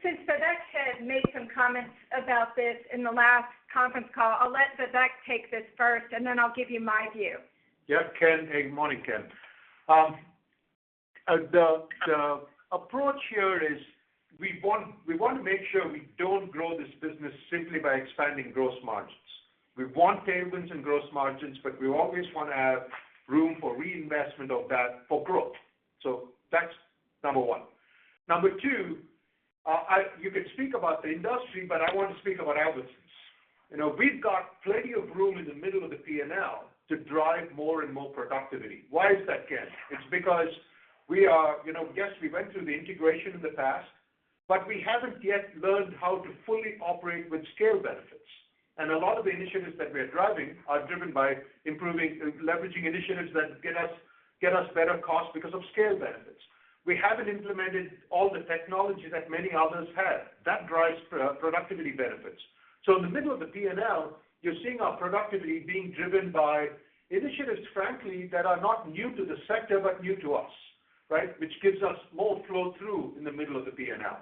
D: Since Vivek had made some comments about this in the last conference call, I'll let Vivek take this first, and then I'll give you my view.
C: Yeah, Ken. Good morning, Ken. The approach here is we want to make sure we don't grow this business simply by expanding gross margins. We want tailwinds and gross margins, but we always want to have room for reinvestment of that for growth. That's number one. Number two, you could speak about the industry, but I want to speak about Albertsons. We've got plenty of room in the middle of the P&L to drive more and more productivity. Why is that, Ken? It's because we went through the integration in the past, but we haven't yet learned how to fully operate with scale benefits. A lot of the initiatives that we're driving are driven by improving, leveraging initiatives that get us better costs because of scale benefits. We haven't implemented all the technology that many others have. That drives productivity benefits. In the middle of the P&L, you're seeing our productivity being driven by initiatives, frankly, that are not new to the sector, but new to us, right? Which gives us more flow through in the middle of the P&L.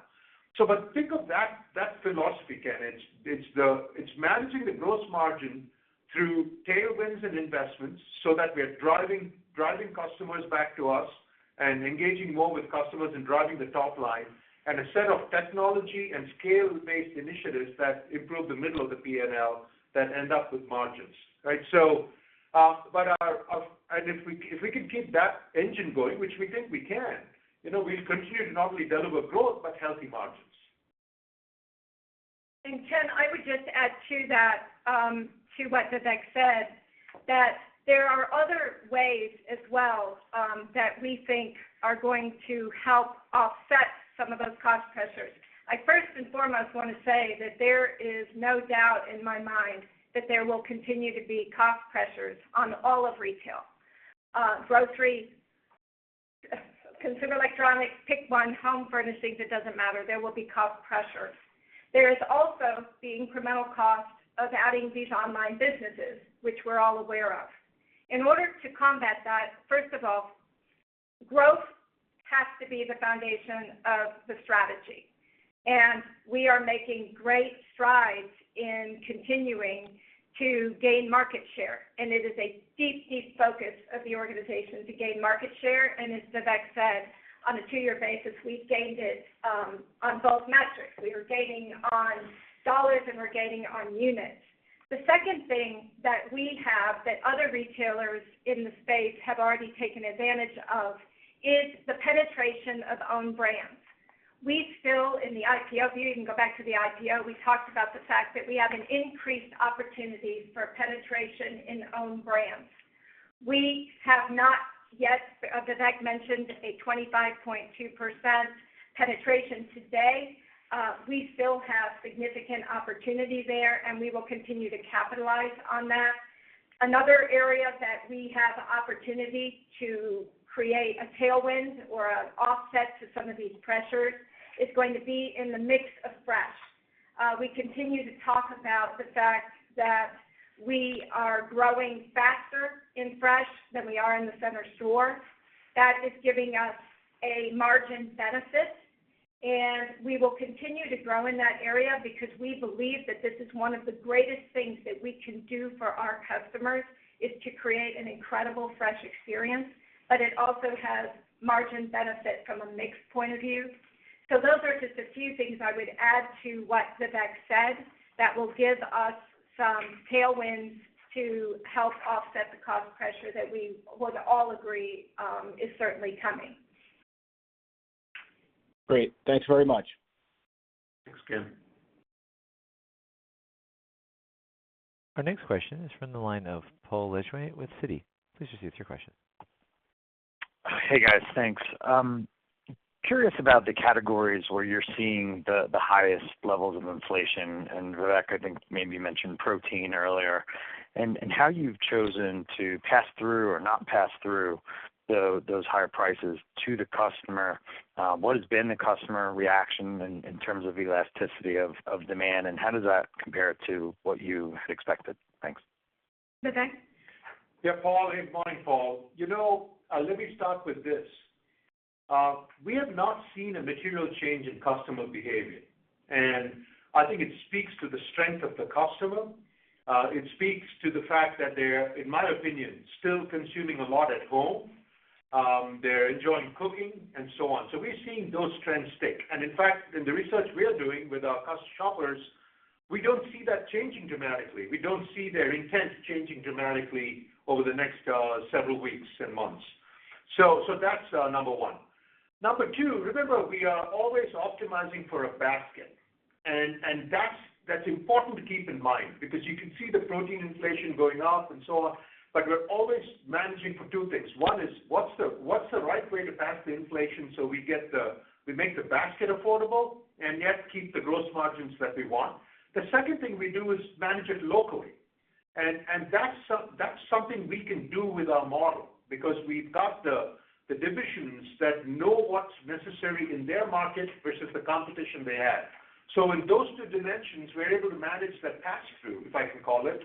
C: Think of that philosophy, Ken. It's managing the gross margin through tailwinds and investments so that we're driving customers back to us and engaging more with customers and driving the top line, and a set of technology and scale-based initiatives that improve the middle of the P&L that end up with margins. Right? If we could keep that engine going, which we think we can, we'll continue to not only deliver growth, but healthy margins.
D: Ken, I would just add to what Vivek said, that there are other ways as well that we think are going to help offset some of those cost pressures. I first and foremost want to say that there is no doubt in my mind that there will continue to be cost pressures on all of retail. Grocery, consumer electronics, pick one, home furnishings, it doesn't matter. There will be cost pressures. There is also the incremental cost of adding these online businesses, which we're all aware of. In order to combat that, first of all, growth has to be the foundation of the strategy. We are making great strides in continuing to gain market share, and it is a deep focus of the organization to gain market share. As Vivek said, on a two-year basis, we've gained it on both metrics. We are gaining on dollars and we're gaining on units. The second thing that we have that other retailers in the space have already taken advantage of is the penetration of Own Brands. We still in the IPO, if you even go back to the IPO, we talked about the fact that we have an increased opportunity for penetration in Own Brands. We have not yet, Vivek mentioned a 25.2% penetration today. We still have significant opportunity there, and we will continue to capitalize on that. Another area that we have opportunity to create a tailwind or an offset to some of these pressures is going to be in the mix of Fresh. We continue to talk about the fact that we are growing faster in Fresh than we are in the center store. That is giving us a margin benefit, and we will continue to grow in that area because we believe that this is one of the greatest things that we can do for our customers, is to create an incredible Fresh experience. It also has margin benefit from a mix point of view. Those are just a few things I would add to what Vivek said that will give us some tailwinds to help offset the cost pressure that we would all agree, is certainly coming.
I: Great. Thanks very much.
C: Thanks, Ken.
A: Our next question is from the line of Paul Lejuez with Citigroup. Please proceed with your question.
J: Hey, guys. Thanks. I'm curious about the categories where you're seeing the highest levels of inflation, and Vivek, I think maybe you mentioned protein earlier. How you've chosen to pass through or not pass through those higher prices to the customer. What has been the customer reaction in terms of elasticity of demand, and how does that compare to what you had expected? Thanks.
D: Vivek?
C: Yeah, Paul. Hey, good morning, Paul. Let me start with this. We have not seen a material change in customer behavior. I think it speaks to the strength of the customer. It speaks to the fact that they're, in my opinion, still consuming a lot at home. They're enjoying cooking and so on. We're seeing those trends stick. In fact, in the research we are doing with our shoppers, we don't see that changing dramatically. We don't see their intent changing dramatically over the next several weeks and months. That's number one. Number two, remember, we are always optimizing for a basket, and that's important to keep in mind because you can see the protein inflation going up and so on. We're always managing for two things. One is what's the right way to pass the inflation so we make the basket affordable and yet keep the gross margins that we want? The second thing we do is manage it locally, and that's something we can do with our model because we've got the divisions that know what's necessary in their market versus the competition they have. In those two dimensions, we're able to manage that pass-through, if I can call it,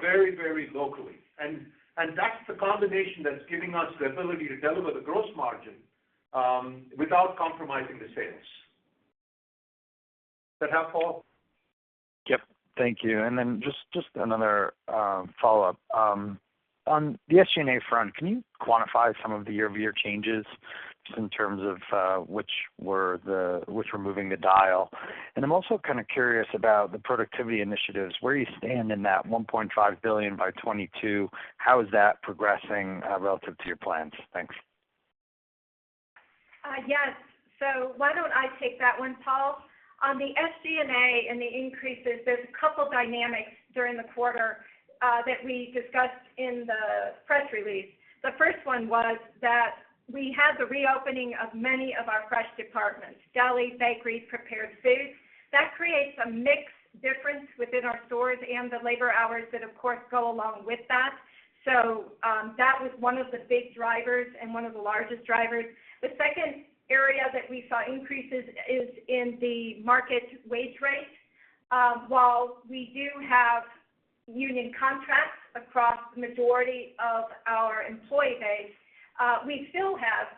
C: very locally. That's the combination that's giving us the ability to deliver the gross margin, without compromising the sales. Is that helpful?
J: Yep. Thank you. Just another follow-up. On the SG&A front, can you quantify some of the year-over-year changes just in terms of which were moving the dial? I'm also kind of curious about the productivity initiatives. Where do you stand in that $1.5 billion by 2022? How is that progressing relative to your plans? Thanks.
D: Yes. Why don't I take that one, Paul. On the SG&A and the increases, there's a couple dynamics during the quarter that we discussed in the press release. The first one was that we had the reopening of many of our Fresh departments, deli, bakery, prepared foods. That creates a mix difference within our stores and the labor hours that of course go along with that. That was one of the big drivers and one of the largest drivers. The second area that we saw increases is in the market wage rates. While we do have union contracts across the majority of our employee base, we still have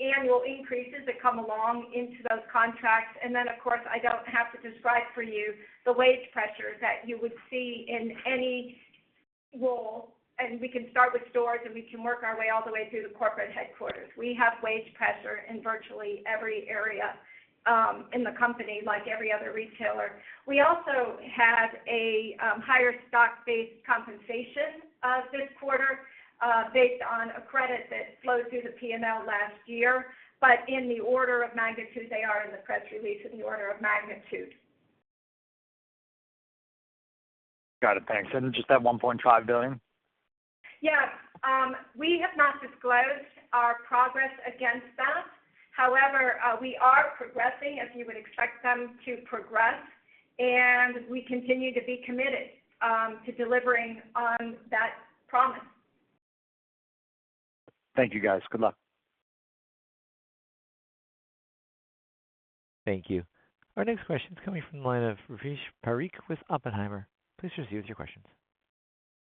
D: annual increases that come along into those contracts. Of course, I don't have to describe for you the wage pressure that you would see in any role, and we can start with stores, and we can work our way all the way through the corporate headquarters. We have wage pressure in virtually every area in the company like every other retailer. We also had a higher stock-based compensation this quarter based on a credit that flowed through the P&L last year. In the order of magnitude, they are in the press release in the order of magnitude.
J: Got it. Thanks. Just that $1.5 billion?
D: Yes. We have not disclosed our progress against that. However, we are progressing as you would expect them to progress, and we continue to be committed to delivering on that promise.
J: Thank you, guys. Good luck.
A: Thank you. Our next question is coming from the line of Rupesh Parikh with Oppenheimer. Please proceed with your questions.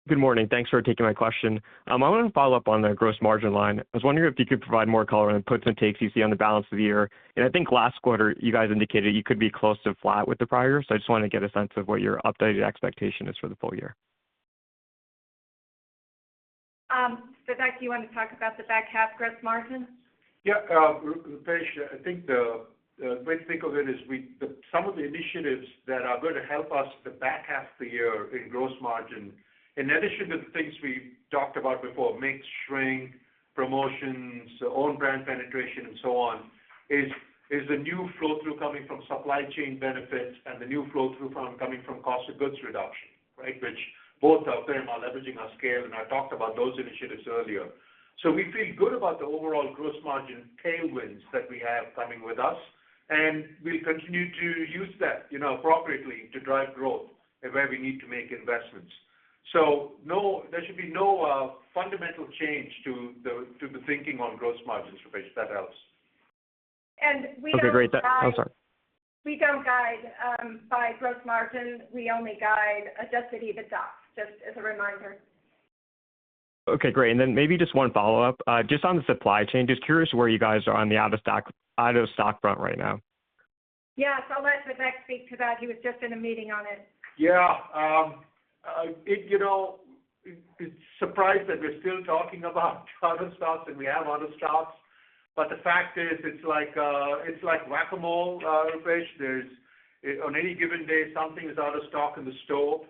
K: Good morning. Thanks for taking my question. I wanted to follow up on the gross margin line. I was wondering if you could provide more color on the puts and takes you see on the balance of the year. I think last quarter you guys indicated you could be close to flat with the prior. I just wanted to get a sense of what your updated expectation is for the full year.
D: Vivek, do you want to talk about the back half gross margin?
C: Yeah. Rupesh, I think the way to think of it is some of the initiatives that are going to help us the back half of the year in gross margin, in addition to the things we talked about before, mix, shrink, promotions, own brand penetration and so on, is the new flow-through coming from supply chain benefits and the new flow-through coming from cost of goods reduction, right? Which both are fair amount leveraging our scale. I talked about those initiatives earlier. We feel good about the overall gross margin tailwinds that we have coming with us, and we'll continue to use that appropriately to drive growth where we need to make investments. There should be no fundamental change to the thinking on gross margins, Rupesh. That helps.
D: We don't guide-
K: Okay, great. Oh, I'm sorry.
D: We don't guide by gross margin. We only guide Adjusted EBITDA, just as a reminder.
K: Okay, great. Maybe just one follow-up, just on the supply chain. Just curious where you guys are on the out of stock front right now.
D: Yes, I'll let Vivek speak to that. He was just in a meeting on it.
C: It's surprising that we're still talking about out of stocks and we have out of stocks, but the fact is, it's like whack-a-mole, Rupesh. On any given day, something is out of stock in the store.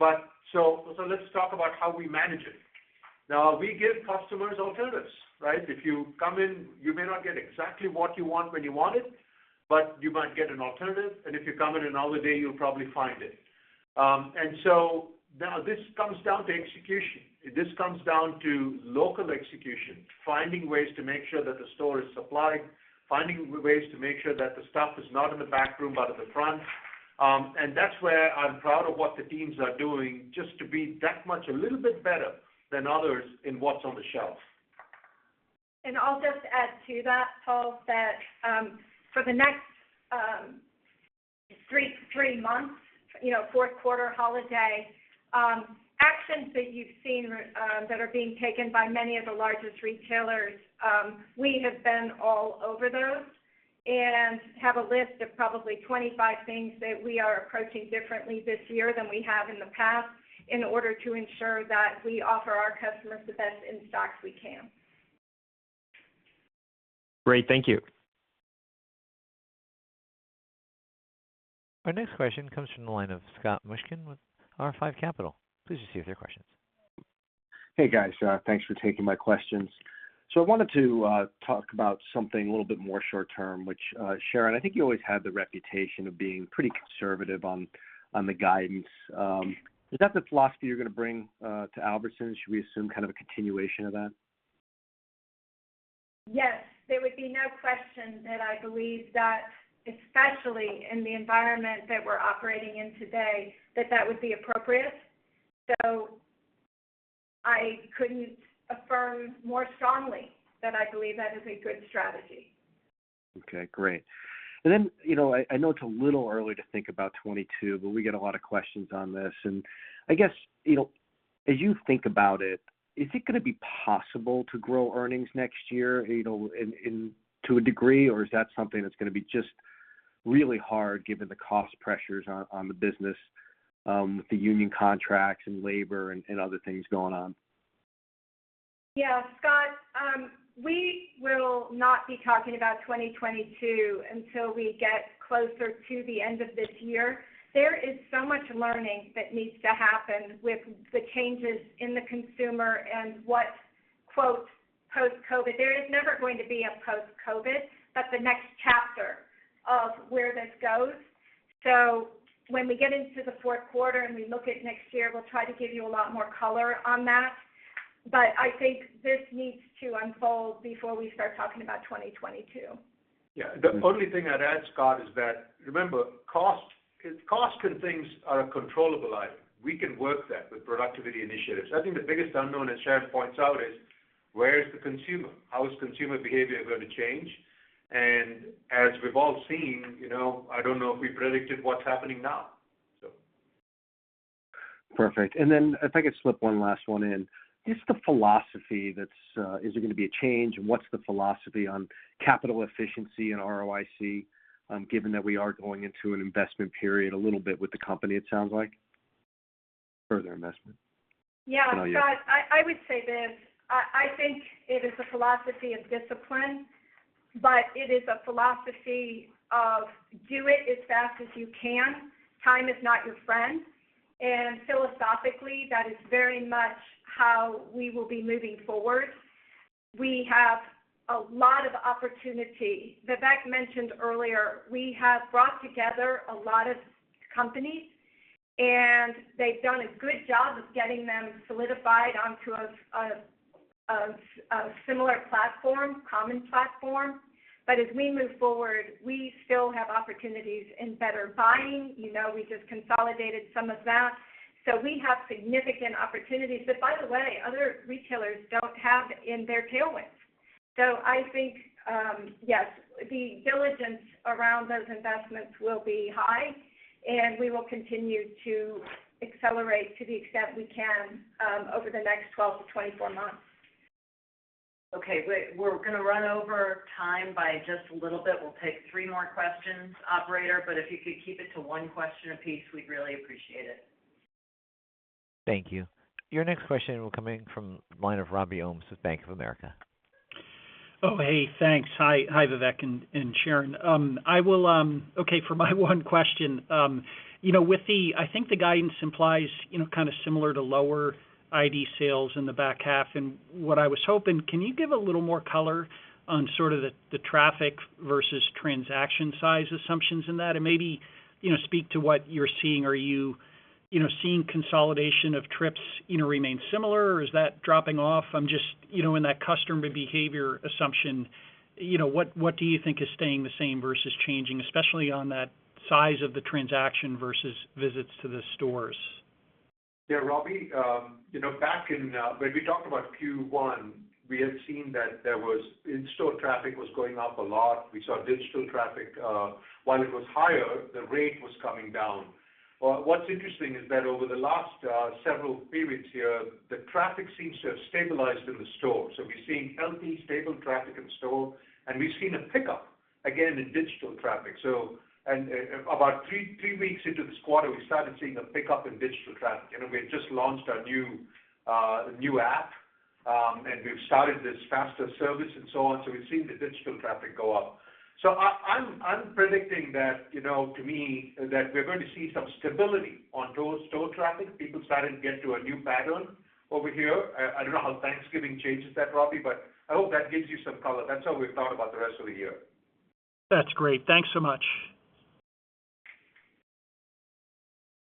C: Let's talk about how we manage it. We give customers alternatives, right? If you come in, you may not get exactly what you want when you want it, but you might get an alternative. If you come in another day, you'll probably find it. This comes down to execution. This comes down to local execution, finding ways to make sure that the store is supplied, finding ways to make sure that the stuff is not in the back room but at the front. That's where I'm proud of what the teams are doing just to be that much, a little bit better than others in what's on the shelf.
D: I'll just add to that, Rupesh, that for the next three months, Q4 holiday, actions that you've seen that are being taken by many of the largest retailers, we have been all over those and have a list of probably 25 things that we are approaching differently this year than we have in the past in order to ensure that we offer our customers the best in stocks we can.
K: Great. Thank you.
A: Our next question comes from the line of Scott Mushkin with R5 Capital. Please proceed with your questions.
L: Hey, guys. Thanks for taking my questions. I wanted to talk about something a little bit more short term, which, Sharon, I think you always had the reputation of being pretty conservative on the guidance. Is that the philosophy you're going to bring to Albertsons? Should we assume kind of a continuation of that?
D: Yes, there would be no question that I believe that, especially in the environment that we're operating in today, that that would be appropriate. I couldn't affirm more strongly that I believe that is a good strategy.
L: Okay, great. I know it's a little early to think about 2022, but we get a lot of questions on this. As you think about it, is it going to be possible to grow earnings next year to a degree, or is that something that's going to be just really hard given the cost pressures on the business, with the union contracts and labor and other things going on?
D: Yeah, Scott. We will not be talking about 2022 until we get closer to the end of this year. There is so much learning that needs to happen with the changes in the consumer and what, quote, "post-COVID." There is never going to be a post-COVID, but the next chapter of where this goes. When we get into the Q4 and we look at next year, we'll try to give you a lot more color on that. I think this needs to unfold before we start talking about 2022.
C: Yeah. The only thing I'd add, Scott, is that, remember, cost and things are a controllable item. We can work that with productivity initiatives. I think the biggest unknown, as Sharon points out is, where is the consumer? How is consumer behavior going to change? As we've all seen, I don't know if we predicted what's happening now.
L: Perfect. If I could slip one last one in. Just the philosophy, is there going to be a change, and what's the philosophy on capital efficiency and ROIC, given that we are going into an investment period a little bit with the company, it sounds like further investment?
D: Yeah. Scott, I would say this. I think it is a philosophy of discipline, but it is a philosophy of do it as fast as you can. Time is not your friend. Philosophically, that is very much how we will be moving forward. We have a lot of opportunity. Vivek mentioned earlier, we have brought together a lot of companies, and they've done a good job of getting them solidified onto a similar platform, common platform. As we move forward, we still have opportunities in better buying. We just consolidated some of that. We have significant opportunities that, by the way, other retailers don't have in their tailwinds. I think, yes, the diligence around those investments will be high, and we will continue to accelerate to the extent we can over the next 12 to 24 months.
B: Okay. We're going to run over time by just a little bit. We'll take three more questions, operator, but if you could keep it to one question a piece, we'd really appreciate it.
A: Thank you. Your next question will come in from the line of Robert Ohmes with Bank of America.
M: Oh, hey, thanks. Hi, Vivek and Sharon. Okay, for my one question, I think the guidance implies kind of similar to lower Identical sales in the back half. What I was hoping, can you give a little more color on sort of the traffic versus transaction size assumptions in that? Maybe speak to what you're seeing. Are you seeing consolidation of trips remain similar, or is that dropping off? In that customer behavior assumption, what do you think is staying the same versus changing, especially on that size of the transaction versus visits to the stores?
C: Yeah, Robert Ohmes, when we talked about Q1, we had seen that in store traffic was going up a lot. We saw digital traffic, while it was higher, the rate was coming down. What's interesting is that over the last several periods here, the traffic seems to have stabilized in the store. We're seeing healthy, stable traffic in store, and we've seen a pickup again in digital traffic. About three weeks into this quarter, we started seeing a pickup in digital traffic. We had just launched our new app, and we've started this faster service and so on. We've seen the digital traffic go up. I'm predicting that to me, that we're going to see some stability on store traffic. People starting to get to a new pattern over here. I don't know how Thanksgiving changes that, Robert Ohmes, but I hope that gives you some color. That's how we've thought about the rest of the year.
M: That's great. Thanks so much.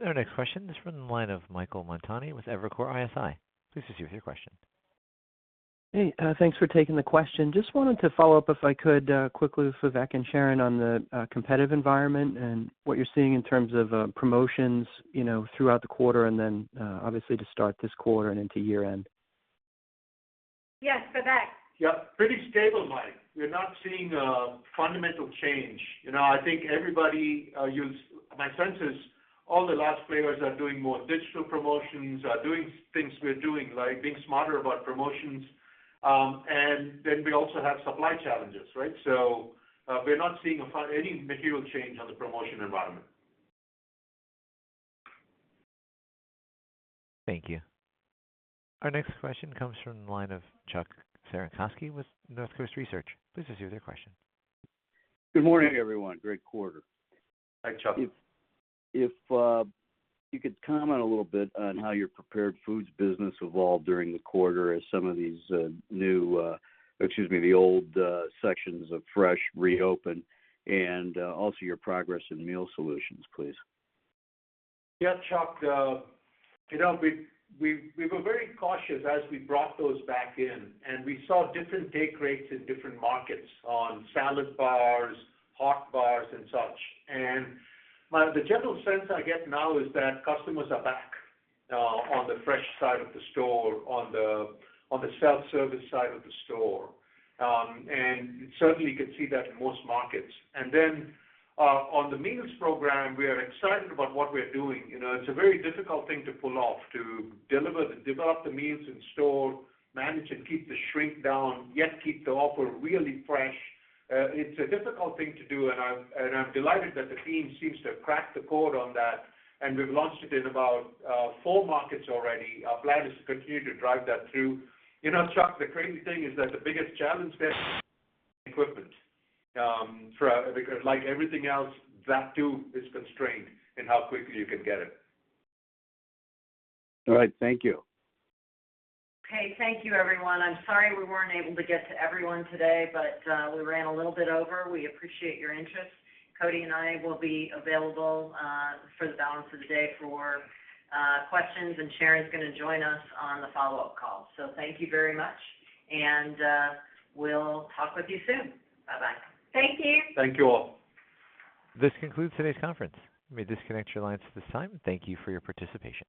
A: Our next question is from the line of Michael Montani with Evercore ISI. Please proceed with your question.
N: Hey, thanks for taking the question. Just wanted to follow up, if I could quickly, Vivek and Sharon, on the competitive environment and what you're seeing in terms of promotions throughout the quarter and then obviously to start this quarter and into year end.
D: Yes, Vivek.
C: Yeah. Pretty stable, Mike. We're not seeing a fundamental change. My sense is all the large players are doing more digital promotions, are doing things we're doing, like being smarter about promotions. We also have supply challenges, right? We're not seeing any material change on the promotion environment.
A: Thank you. Our next question comes from the line of Chuck Cerankosky with Northcoast Research. Please proceed with your question.
O: Good morning, everyone. Great quarter.
C: Thanks, Chuck.
O: If you could comment a little bit on how your prepared foods business evolved during the quarter as some of these new, excuse me, the old sections of Fresh reopen, and also your progress in meal solutions, please.
C: Yeah, Chuck Cerankosky. We were very cautious as we brought those back in, and we saw different take rates in different markets on salad bars, hot bars and such. The general sense I get now is that customers are back on the Fresh side of the store, on the self-service side of the store. Certainly you can see that in most markets. On the meals program, we are excited about what we are doing. It's a very difficult thing to pull off, to develop the meals in store, manage and keep the shrink down, yet keep the offer really Fresh. It's a difficult thing to do, and I'm delighted that the team seems to have cracked the code on that. We've launched it in about four markets already. Our plan is to continue to drive that through. Chuck, the crazy thing is that the biggest challenge there equipment. Like everything else, that too is constrained in how quickly you can get it.
O: All right. Thank you.
B: Okay. Thank you everyone. I'm sorry we weren't able to get to everyone today, but we ran a little bit over. We appreciate your interest. Cody and I will be available for the balance of the day for questions, and Sharon is going to join us on the follow-up call. Thank you very much, and we'll talk with you soon. Bye-bye.
D: Thank you.
C: Thank you all.
A: This concludes today's conference. You may disconnect your lines at this time. Thank you for your participation.